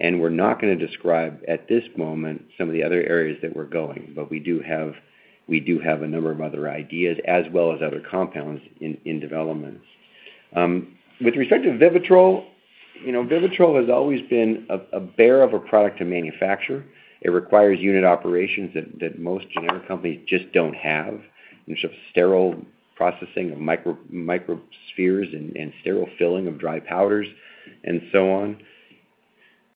we're not going to describe at this moment some of the other areas that we're going. We do have a number of other ideas as well as other compounds in development. With respect to VIVITROL has always been a bear of a product to manufacture. It requires unit operations that most generic companies just don't have, in terms of sterile processing of microspheres and sterile filling of dry powders and so on.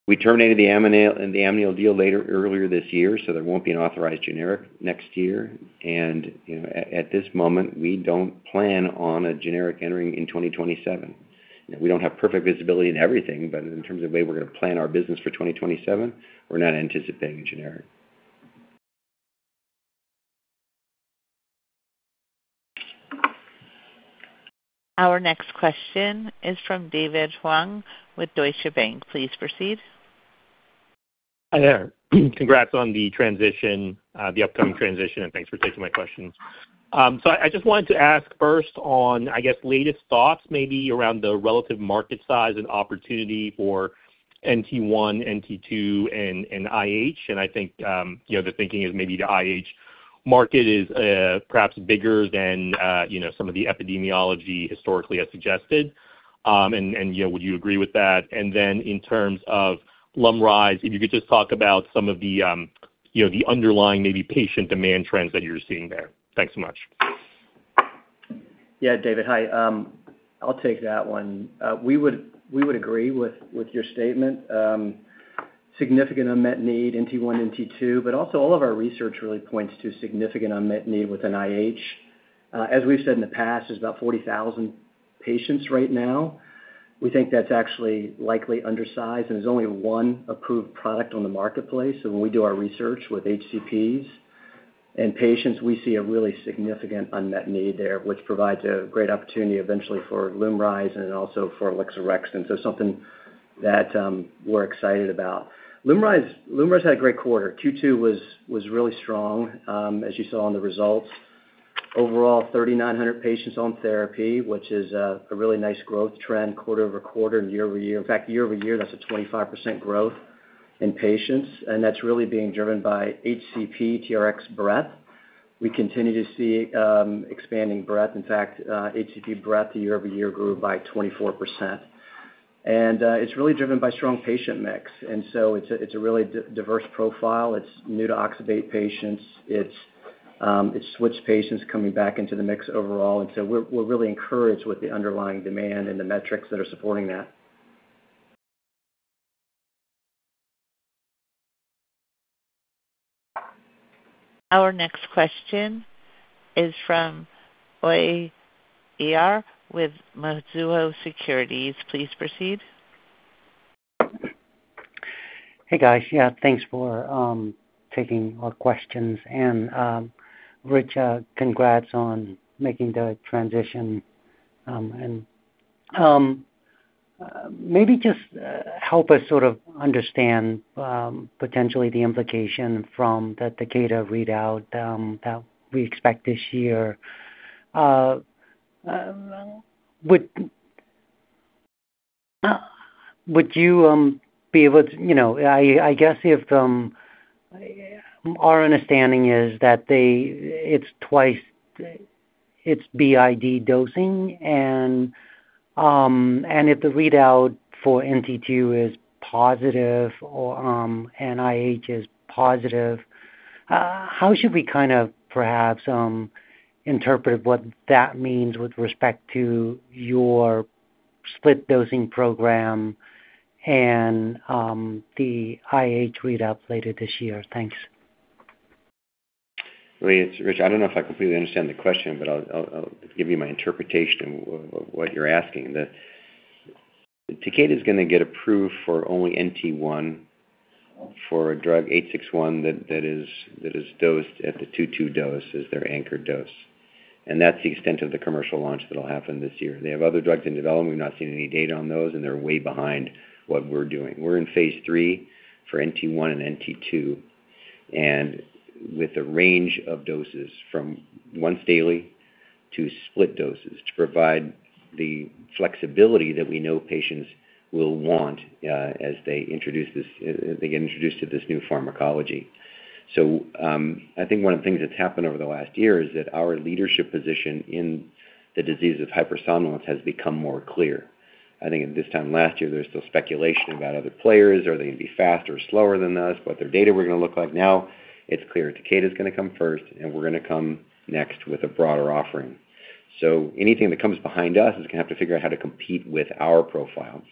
We terminated the Amneal deal earlier this year, there won't be an authorized generic next year. At this moment, we don't plan on a generic entering in 2027. We don't have perfect visibility in everything, in terms of the way we're going to plan our business for 2027, we're not anticipating a generic. Our next question is from David Huang with Deutsche Bank. Please proceed. Hi there. Congrats on the upcoming transition, thanks for taking my questions. I just wanted to ask first on, I guess, latest thoughts maybe around the relative market size and opportunity for NT1, NT2, and IH. I think, the thinking is maybe the IH market is perhaps bigger than some of the epidemiology historically has suggested. Would you agree with that? Then in terms of LUMRYZ, if you could just talk about some of the underlying maybe patient demand trends that you're seeing there. Thanks so much. Yeah, David. Hi. I'll take that one. We would agree with your statement. Significant unmet need, NT1 and NT2, also all of our research really points to significant unmet need with an IH. As we've said in the past, there's about 40,000 patients right now. We think that's actually likely undersized, and there's only one approved product on the marketplace. When we do our research with HCPs and patients, we see a really significant unmet need there, which provides a great opportunity eventually for LUMRYZ and also for alixorexton. Something that we're excited about. LUMRYZ had a great quarter. Q2 was really strong. As you saw in the results, overall 3,900 patients on therapy, which is a really nice growth trend quarter-over-quarter and year-over-year. In fact, year-over-year, that's a 25% growth in patients. That's really being driven by HCP TRX breadth. We continue to see expanding breadth. In fact, HCP breadth year-over-year grew by 24%. It's really driven by strong patient mix. It's a really diverse profile. It's new to oxybate patients. It's switch patients coming back into the mix overall. We're really encouraged with the underlying demand and the metrics that are supporting that. Our next question is from Uy Ear with Mizuho Securities. Please proceed. Hey, guys. Thanks for taking our questions. Rich, congrats on making the transition. Maybe just help us sort of understand potentially the implication from the data readout that we expect this year. Would you be able to Our understanding is that it's BID dosing. If the readout for NT2 is positive or IH is positive, how should we perhaps interpret what that means with respect to your split dosing program and the IH readout later this year? Thanks. Uy, it's Rich. I don't know if I completely understand the question, but I'll give you my interpretation of what you're asking. Takeda is going to get approved for only NT1 for drug 861 that is dosed at the 2.2 dose as their anchor dose. That's the extent of the commercial launch that'll happen this year. They have other drugs in development. We've not seen any data on those, and they're way behind what we're doing. We're in phase III for NT1 and NT2 and with a range of doses from once daily to split doses to provide the flexibility that we know patients will want as they get introduced to this new pharmacology. I think one of the things that's happened over the last year is that our leadership position in the disease of hypersomnolence has become more clear. I think at this time last year, there was still speculation about other players. Are they going to be faster or slower than us? What their data were going to look like. Now it's clear Takeda's going to come first, and we're going to come next with a broader offering. Anything that comes behind us is going to have to figure out how to compete with our profile.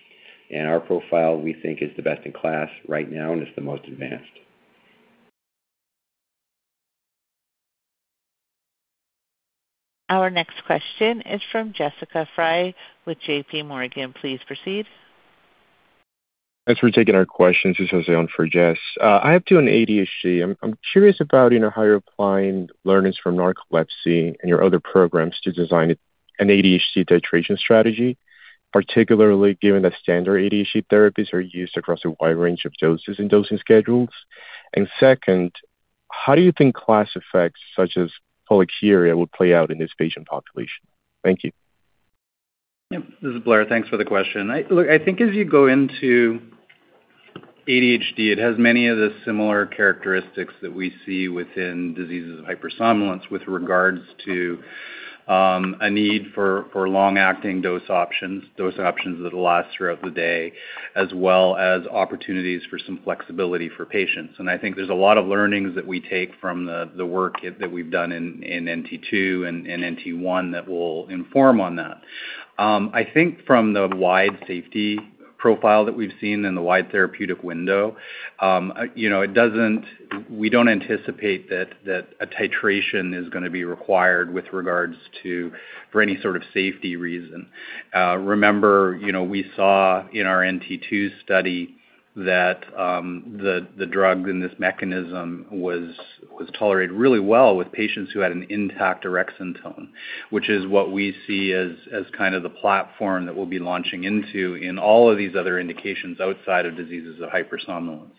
Our profile, we think, is the best in class right now, and it's the most advanced. Our next question is from Jessica Fye with JPMorgan. Please proceed. Thanks for taking our question, this is Jose on for Jess. I have two on ADHD. I'm curious about how you're applying learnings from narcolepsy and your other programs to design an ADHD titration strategy, particularly given that standard ADHD therapies are used across a wide range of doses and dosing schedules. Second, how do you think class effects such as polyuria will play out in this patient population? Thank you. Yep. This is Blair, thanks for the question. Look, I think as you go into ADHD, it has many of the similar characteristics that we see within diseases of hypersomnolence with regards to a need for long-acting dose options, dose options that'll last throughout the day, as well as opportunities for some flexibility for patients. I think there's a lot of learnings that we take from the work that we've done in NT2 and NT1 that will inform on that. I think from the wide safety profile that we've seen and the wide therapeutic window, we don't anticipate that a titration is going to be required with regards to, for any sort of safety reason. Remember, we saw in our NT2 study that the drug and this mechanism was tolerated really well with patients who had an intact orexin tone, which is what we see as kind of the platform that we'll be launching into in all of these other indications outside of diseases of hypersomnolence.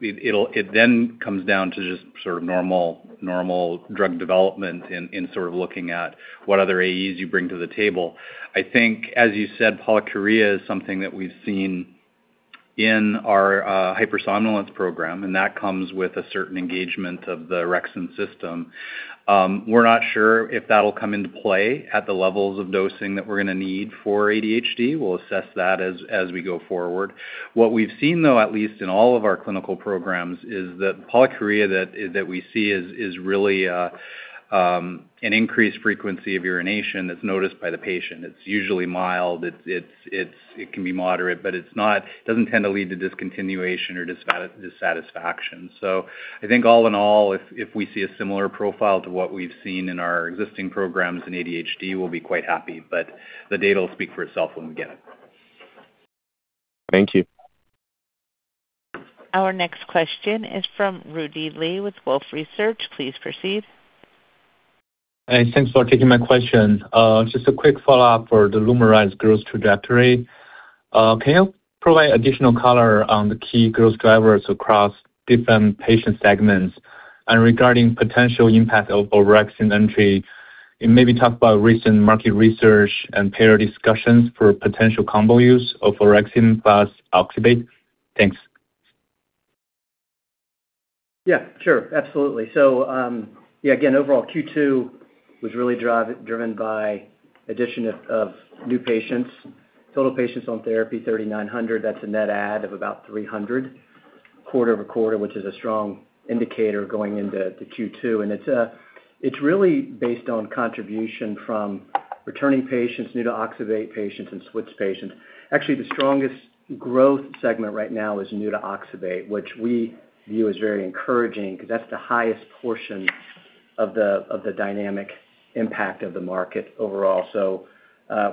It then comes down to just sort of normal drug development in sort of looking at what other AEs you bring to the table. I think, as you said, polyuria is something that we've seen in our hypersomnolence program, and that comes with a certain engagement of the orexin system. We're not sure if that'll come into play at the levels of dosing that we're going to need for ADHD. We'll assess that as we go forward. What we've seen, though, at least in all of our clinical programs, is that polyuria that we see is really an increased frequency of urination that's noticed by the patient. It's usually mild. It can be moderate, but it doesn't tend to lead to discontinuation or dissatisfaction. I think all in all, if we see a similar profile to what we've seen in our existing programs in ADHD, we'll be quite happy. The data will speak for itself when we get it. Thank you. Our next question is from Rudy Li with Wolfe Research. Please proceed. Thanks for taking my question. Just a quick follow-up for the LUMRYZ growth trajectory. Can you provide additional color on the key growth drivers across different patient segments? Regarding potential impact of orexin entry, talk about recent market research and payer discussions for potential combo use of orexin plus oxybate. Thanks. Yeah, sure. Absolutely. Overall Q2 was really driven by addition of new patients. Total patients on therapy, 3,900. That's a net add of about 300 quarter-over-quarter, which is a strong indicator going into Q2. It's really based on contribution from returning patients, new to oxybate patients, and switched patients. Actually, the strongest growth segment right now is new to oxybate, which we view as very encouraging because that's the highest portion of the dynamic impact of the market overall.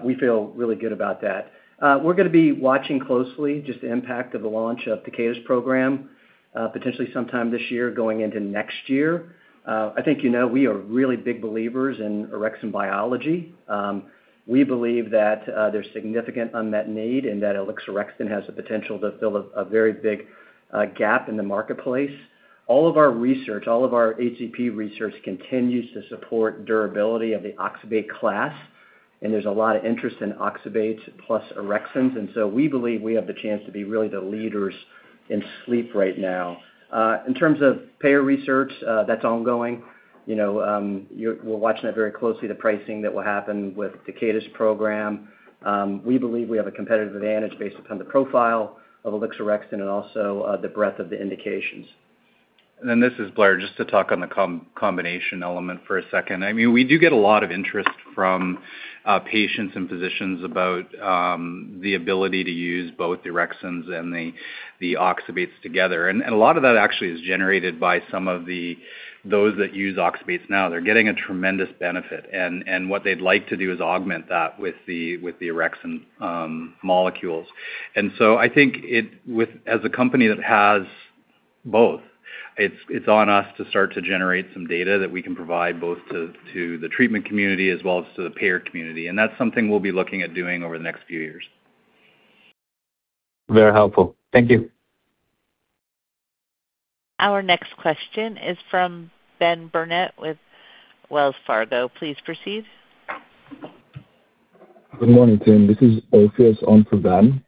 We feel really good about that. We're going to be watching closely just the impact of the launch of Takeda's program, potentially sometime this year going into next year. I think you know we are really big believers in orexin biology. We believe that there's significant unmet need and that alixorexton has the potential to fill a very big gap in the marketplace. All of our research, all of our HCP research continues to support durability of the oxybate class. There's a lot of interest in oxybates plus orexins. We believe we have the chance to be really the leaders in sleep right now. In terms of payer research, that's ongoing. We're watching that very closely, the pricing that will happen with Takeda's program. We believe we have a competitive advantage based upon the profile of alixorexton and also the breadth of the indications. This is Blair, just to talk on the combination element for a second. We do get a lot of interest from patients and physicians about the ability to use both the orexins and the oxybates together. A lot of that actually is generated by some of those that use oxybates now. They're getting a tremendous benefit, and what they'd like to do is augment that with the orexin molecules. I think as a company that has both, it's on us to start to generate some data that we can provide both to the treatment community as well as to the payer community. That's something we'll be looking at doing over the next few years. Very helpful. Thank you. Our next question is from Ben Burnett with Wells Fargo. Please proceed. Good morning, team. This is <inaudible> on for Ben.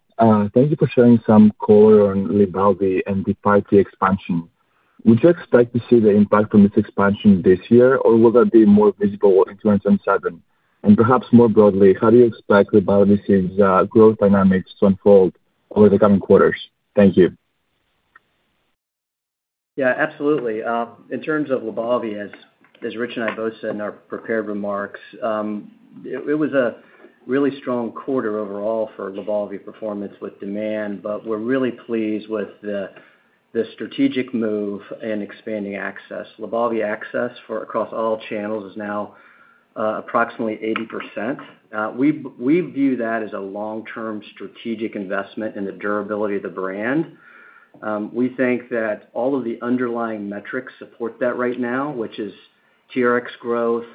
Thank you for sharing some color on LYBALVI and the Part D expansion. Would you expect to see the impact from this expansion this year, or will that be more visible in 2027? Perhaps more broadly, how do you expect LYBALVI's growth dynamics to unfold over the coming quarters? Thank you. Yeah, absolutely. In terms of LYBALVI, as Rich and I both said in our prepared remarks, it was a really strong quarter overall for LYBALVI performance with demand, but we're really pleased with the strategic move in expanding access. LYBALVI access for across all channels is now approximately 80%. We view that as a long-term strategic investment in the durability of the brand. We think that all of the underlying metrics support that right now, which is TRx growth,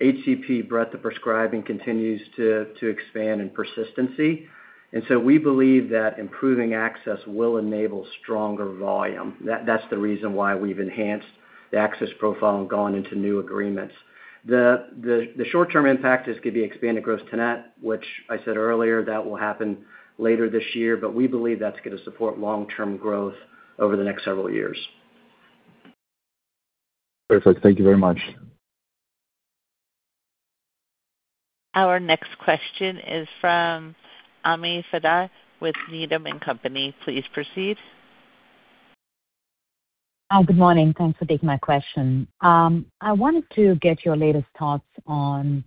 HCP breadth of prescribing continues to expand in persistency. We believe that improving access will enable stronger volume. That's the reason why we've enhanced the access profile and gone into new agreements. The short-term impact is going to be expanded Gross-to-Net, which I said earlier, that will happen later this year, but we believe that's going to support long-term growth over the next several years. Perfect. Thank you very much. Our next question is from Ami Fadia with Needham. Please proceed. Good morning. Thanks for taking my question. I wanted to get your latest thoughts on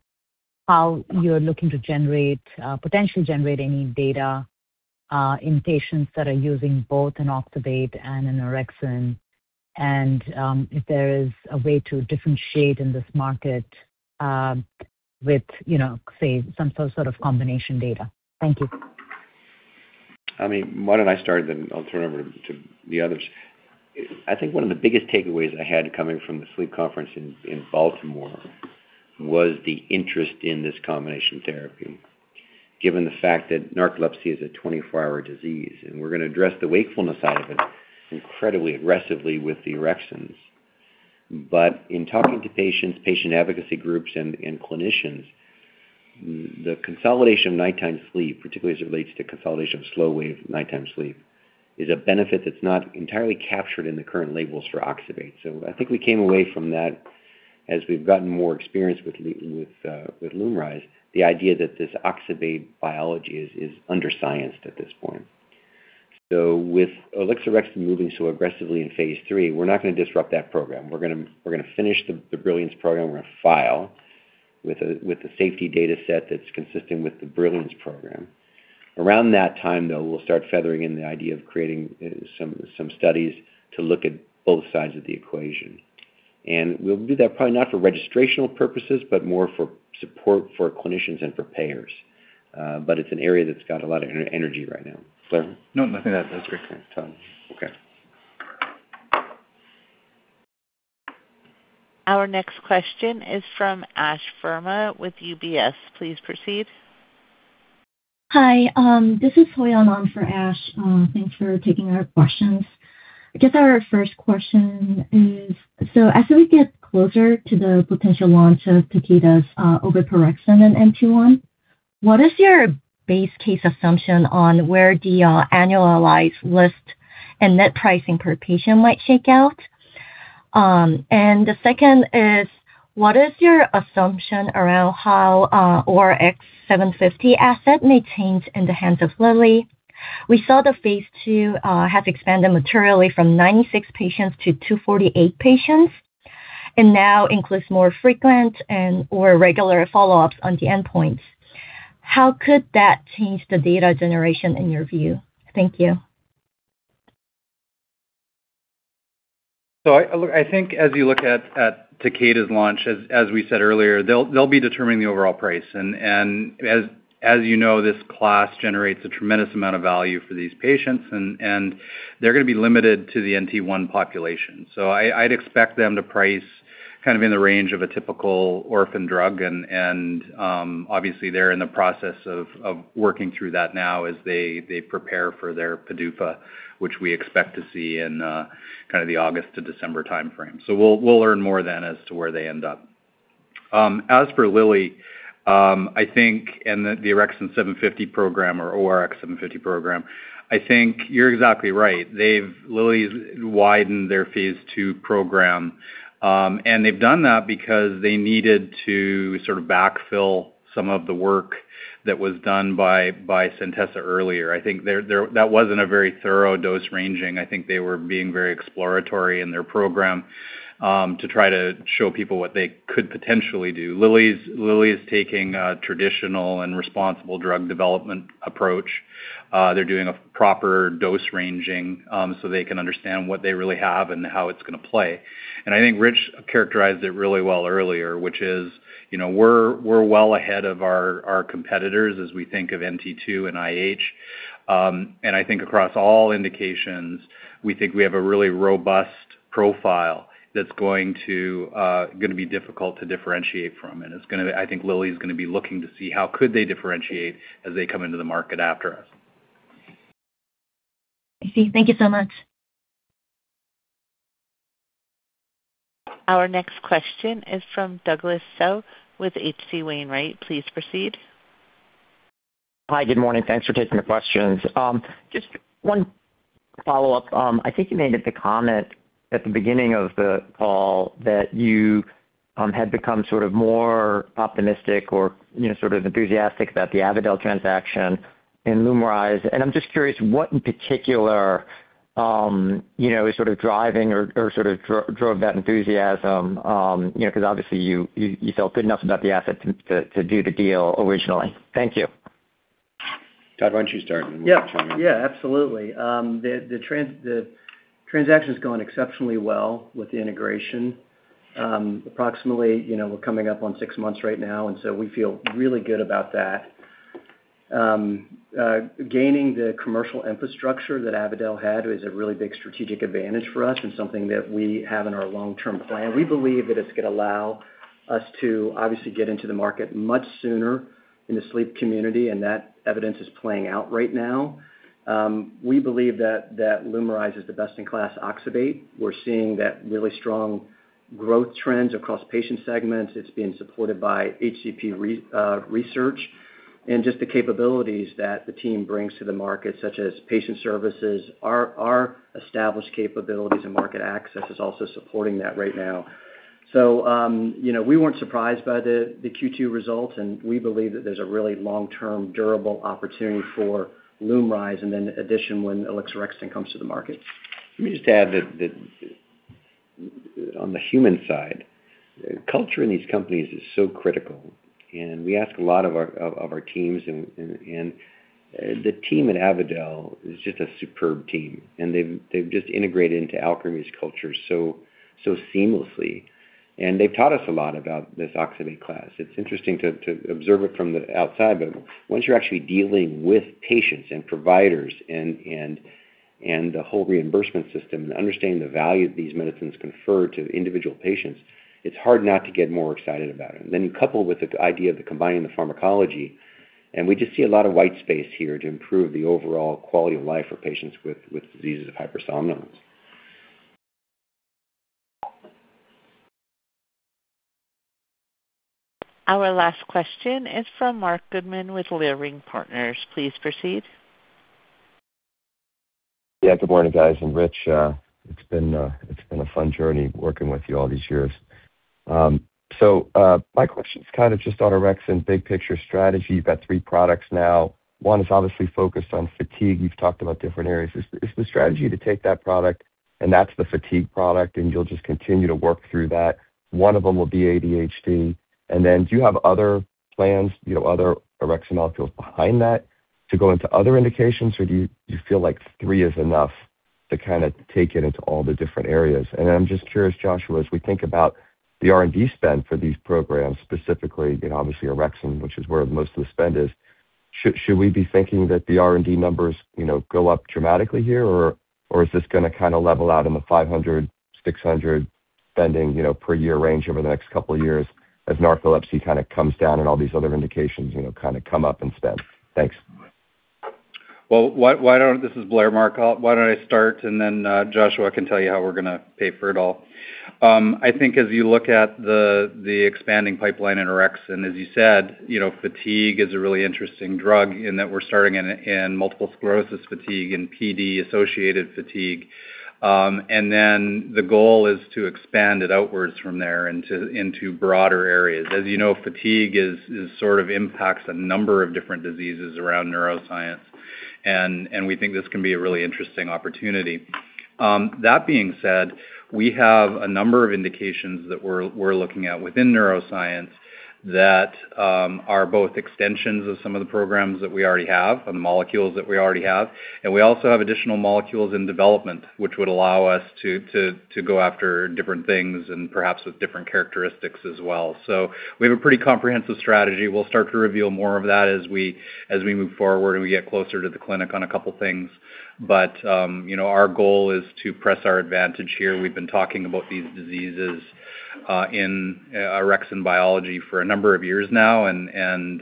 how you're looking to potentially generate any data in patients that are using both an oxybate and an orexin, and if there is a way to differentiate in this market with, say, some sort of combination data. Thank you. Ami, why don't I start, then I'll turn over to the others. I think one of the biggest takeaways I had coming from the sleep conference in Baltimore was the interest in this combination therapy, given the fact that narcolepsy is a 24-hour disease, and we're going to address the wakefulness side of it incredibly aggressively with the orexins. In talking to patients, patient advocacy groups, and clinicians, the consolidation of nighttime sleep, particularly as it relates to consolidation of slow-wave nighttime sleep, is a benefit that's not entirely captured in the current labels for oxybate. I think we came away from that as we've gotten more experience with LUMRYZ, the idea that this oxybate biology is under-scienced at this point. With alixorexton moving so aggressively in phase III, we're not going to disrupt that program. We're going to finish the Brilliance program. We're going to file with a safety data set that's consistent with the Brilliance program. Around that time, though, we'll start feathering in the idea of creating some studies to look at both sides of the equation. We'll do that probably not for registrational purposes, but more for support for clinicians and for payers. It's an area that's got a lot of energy right now. Blair? No, nothing to add. That's great. Okay. Our next question is from Ash Verma with UBS. Please proceed. Hi, this is <inaudible> on for Ash. Thanks for taking our questions. I guess our first question is, as we get closer to the potential launch of Takeda's oveporexton in NT1, what is your base case assumption on where the annualized list and net pricing per patient might shake out? The second is, what is your assumption around how ORX-750 asset may change in the hands of Lilly? We saw the phase II has expanded materially from 96 patients to 248 patients and now includes more frequent and/or regular follow-ups on the endpoints. How could that change the data generation in your view? Thank you. I think as you look at Takeda's launch, as we said earlier, they'll be determining the overall price. As you know, this class generates a tremendous amount of value for these patients, and they're going to be limited to the NT1 population. I'd expect them to price kind of in the range of a typical orphan drug, and obviously, they're in the process of working through that now as they prepare for their PDUFA, which we expect to see in kind of the August to December timeframe. We'll learn more then as to where they end up. As for Lilly, I think, and the orexin-750 program or ORX-750 program, I think you're exactly right. Lilly's widened their phase II program, and they've done that because they needed to sort of backfill some of the work that was done by Centessa earlier. I think that wasn't a very thorough dose ranging. I think they were being very exploratory in their program, to try to show people what they could potentially do. Lilly is taking a traditional and responsible drug development approach. They're doing a proper dose ranging, so they can understand what they really have and how it's going to play. I think Rich characterized it really well earlier, which is, we're well ahead of our competitors as we think of NT2 and IH. I think across all indications, we think we have a really robust profile that's going to be difficult to differentiate from. I think Lilly's going to be looking to see how could they differentiate as they come into the market after us. I see. Thank you so much. Our next question is from Douglas Tsao with H.C. Wainwright. Please proceed. Hi. Good morning, and thanks for taking the questions. Just one follow-up. I think you made the comment at the beginning of the call that you had become sort of more optimistic or sort of enthusiastic about the Avadel transaction and LUMRYZ, and I'm just curious what in particular is sort of driving or sort of drove that enthusiasm because obviously you felt good enough about the asset to do the deal originally. Thank you. Todd, why don't you start and then we'll chime in? Yeah, absolutely. The transaction's going exceptionally well with the integration. Approximately, we're coming up on six months right now. We feel really good about that. Gaining the commercial infrastructure that Avadel had is a really big strategic advantage for us and something that we have in our long-term plan. We believe that it's going to allow us to obviously get into the market much sooner in the sleep community. That evidence is playing out right now. We believe that LUMRYZ is the best-in-class oxybate. We're seeing that really strong growth trends across patient segments. It's being supported by HCP Research and just the capabilities that the team brings to the market, such as patient services. Our established capabilities and market access is also supporting that right now. We weren't surprised by the Q2 results, and we believe that there's a really long-term, durable opportunity for LUMRYZ and then addition when alixorexton comes to the market. Let me just add that on the human side, culture in these companies is so critical, and we ask a lot of our teams, and the team at Avadel is just a superb team. They've just integrated into Alkermes culture so seamlessly. They've taught us a lot about this oxybate class. It's interesting to observe it from the outside, but once you're actually dealing with patients and providers and the whole reimbursement system and understanding the value that these medicines confer to individual patients, it's hard not to get more excited about it. You couple with the idea of combining the pharmacology, and we just see a lot of white space here to improve the overall quality of life for patients with diseases of hypersomnolence. Our last question is from Marc Goodman with Leerink Partners. Please proceed. Good morning, guys, and Rich. It's been a fun journey working with you all these years. My question's kind of just on orexin, big picture strategy. You've got three products now. One is obviously focused on fatigue. You've talked about different areas. Is the strategy to take that product and that's the fatigue product, and you'll just continue to work through that? One of them will be ADHD, then do you have other plans, other orexin molecules behind that to go into other indications? Or do you feel like three is enough to kind of take it into all the different areas? I'm just curious, Joshua, as we think about the R&D spend for these programs, specifically obviously orexin, which is where most of the spend is. Should we be thinking that the R&D numbers go up dramatically here? Is this going to kind of level out in the $500, $600 spending per year range over the next couple of years as narcolepsy kind of comes down and all these other indications kind of come up in spend? Thanks. This is Blair, Marc. Why don't I start. Then Joshua can tell you how we're going to pay for it all. I think as you look at the expanding pipeline in orexin, as you said, fatigue is a really interesting drug in that we're starting in multiple sclerosis fatigue, in PD-associated fatigue. The goal is to expand it outwards from there into broader areas. As you know, fatigue sort of impacts a number of different diseases around neuroscience, and we think this can be a really interesting opportunity. That being said, we have a number of indications that we're looking at within neuroscience that are both extensions of some of the programs that we already have and the molecules that we already have. We also have additional molecules in development, which would allow us to go after different things and perhaps with different characteristics as well. We have a pretty comprehensive strategy. We'll start to reveal more of that as we move forward and we get closer to the clinic on a couple things. Our goal is to press our advantage here. We've been talking about these diseases in orexin biology for a number of years now, and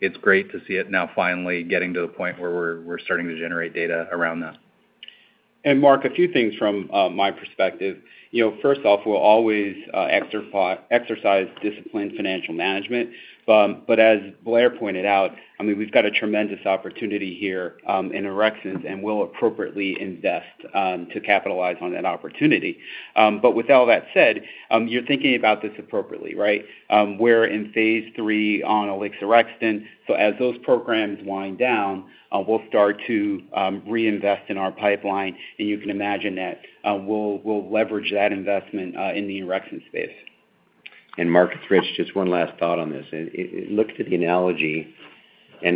it's great to see it now finally getting to the point where we're starting to generate data around that. Marc, a few things from my perspective. First off, we'll always exercise disciplined financial management. As Blair pointed out, we've got a tremendous opportunity here in orexin, and we'll appropriately invest to capitalize on that opportunity. With all that said, you're thinking about this appropriately, right? We're in phase III on alixorexton. As those programs wind down, we'll start to reinvest in our pipeline, and you can imagine that we'll leverage that investment in the orexin space. Marc, it's Rich. Just one last thought on this. Look to the analogy,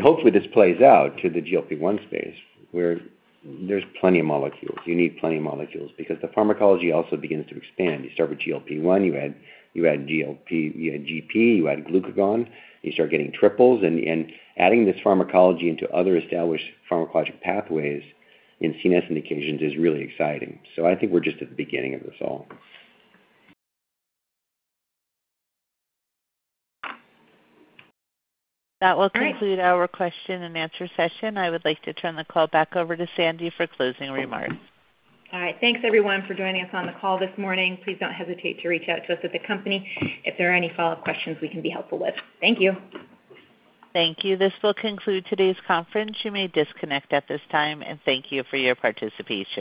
hopefully this plays out to the GLP-1 space, where there's plenty of molecules. You need plenty of molecules because the pharmacology also begins to expand. You start with GLP-1, you add GIP, you add glucagon, you start getting triples. Adding this pharmacology into other established pharmacologic pathways in CNS indications is really exciting. I think we're just at the beginning of this all. That will conclude our question-and-answer session. I would like to turn the call back over to Sandy for closing remarks. All right. Thanks everyone for joining us on the call this morning. Please don't hesitate to reach out to us at the company if there are any follow-up questions we can be helpful with. Thank you. Thank you. This will conclude today's conference. You may disconnect at this time. Thank you for your participation.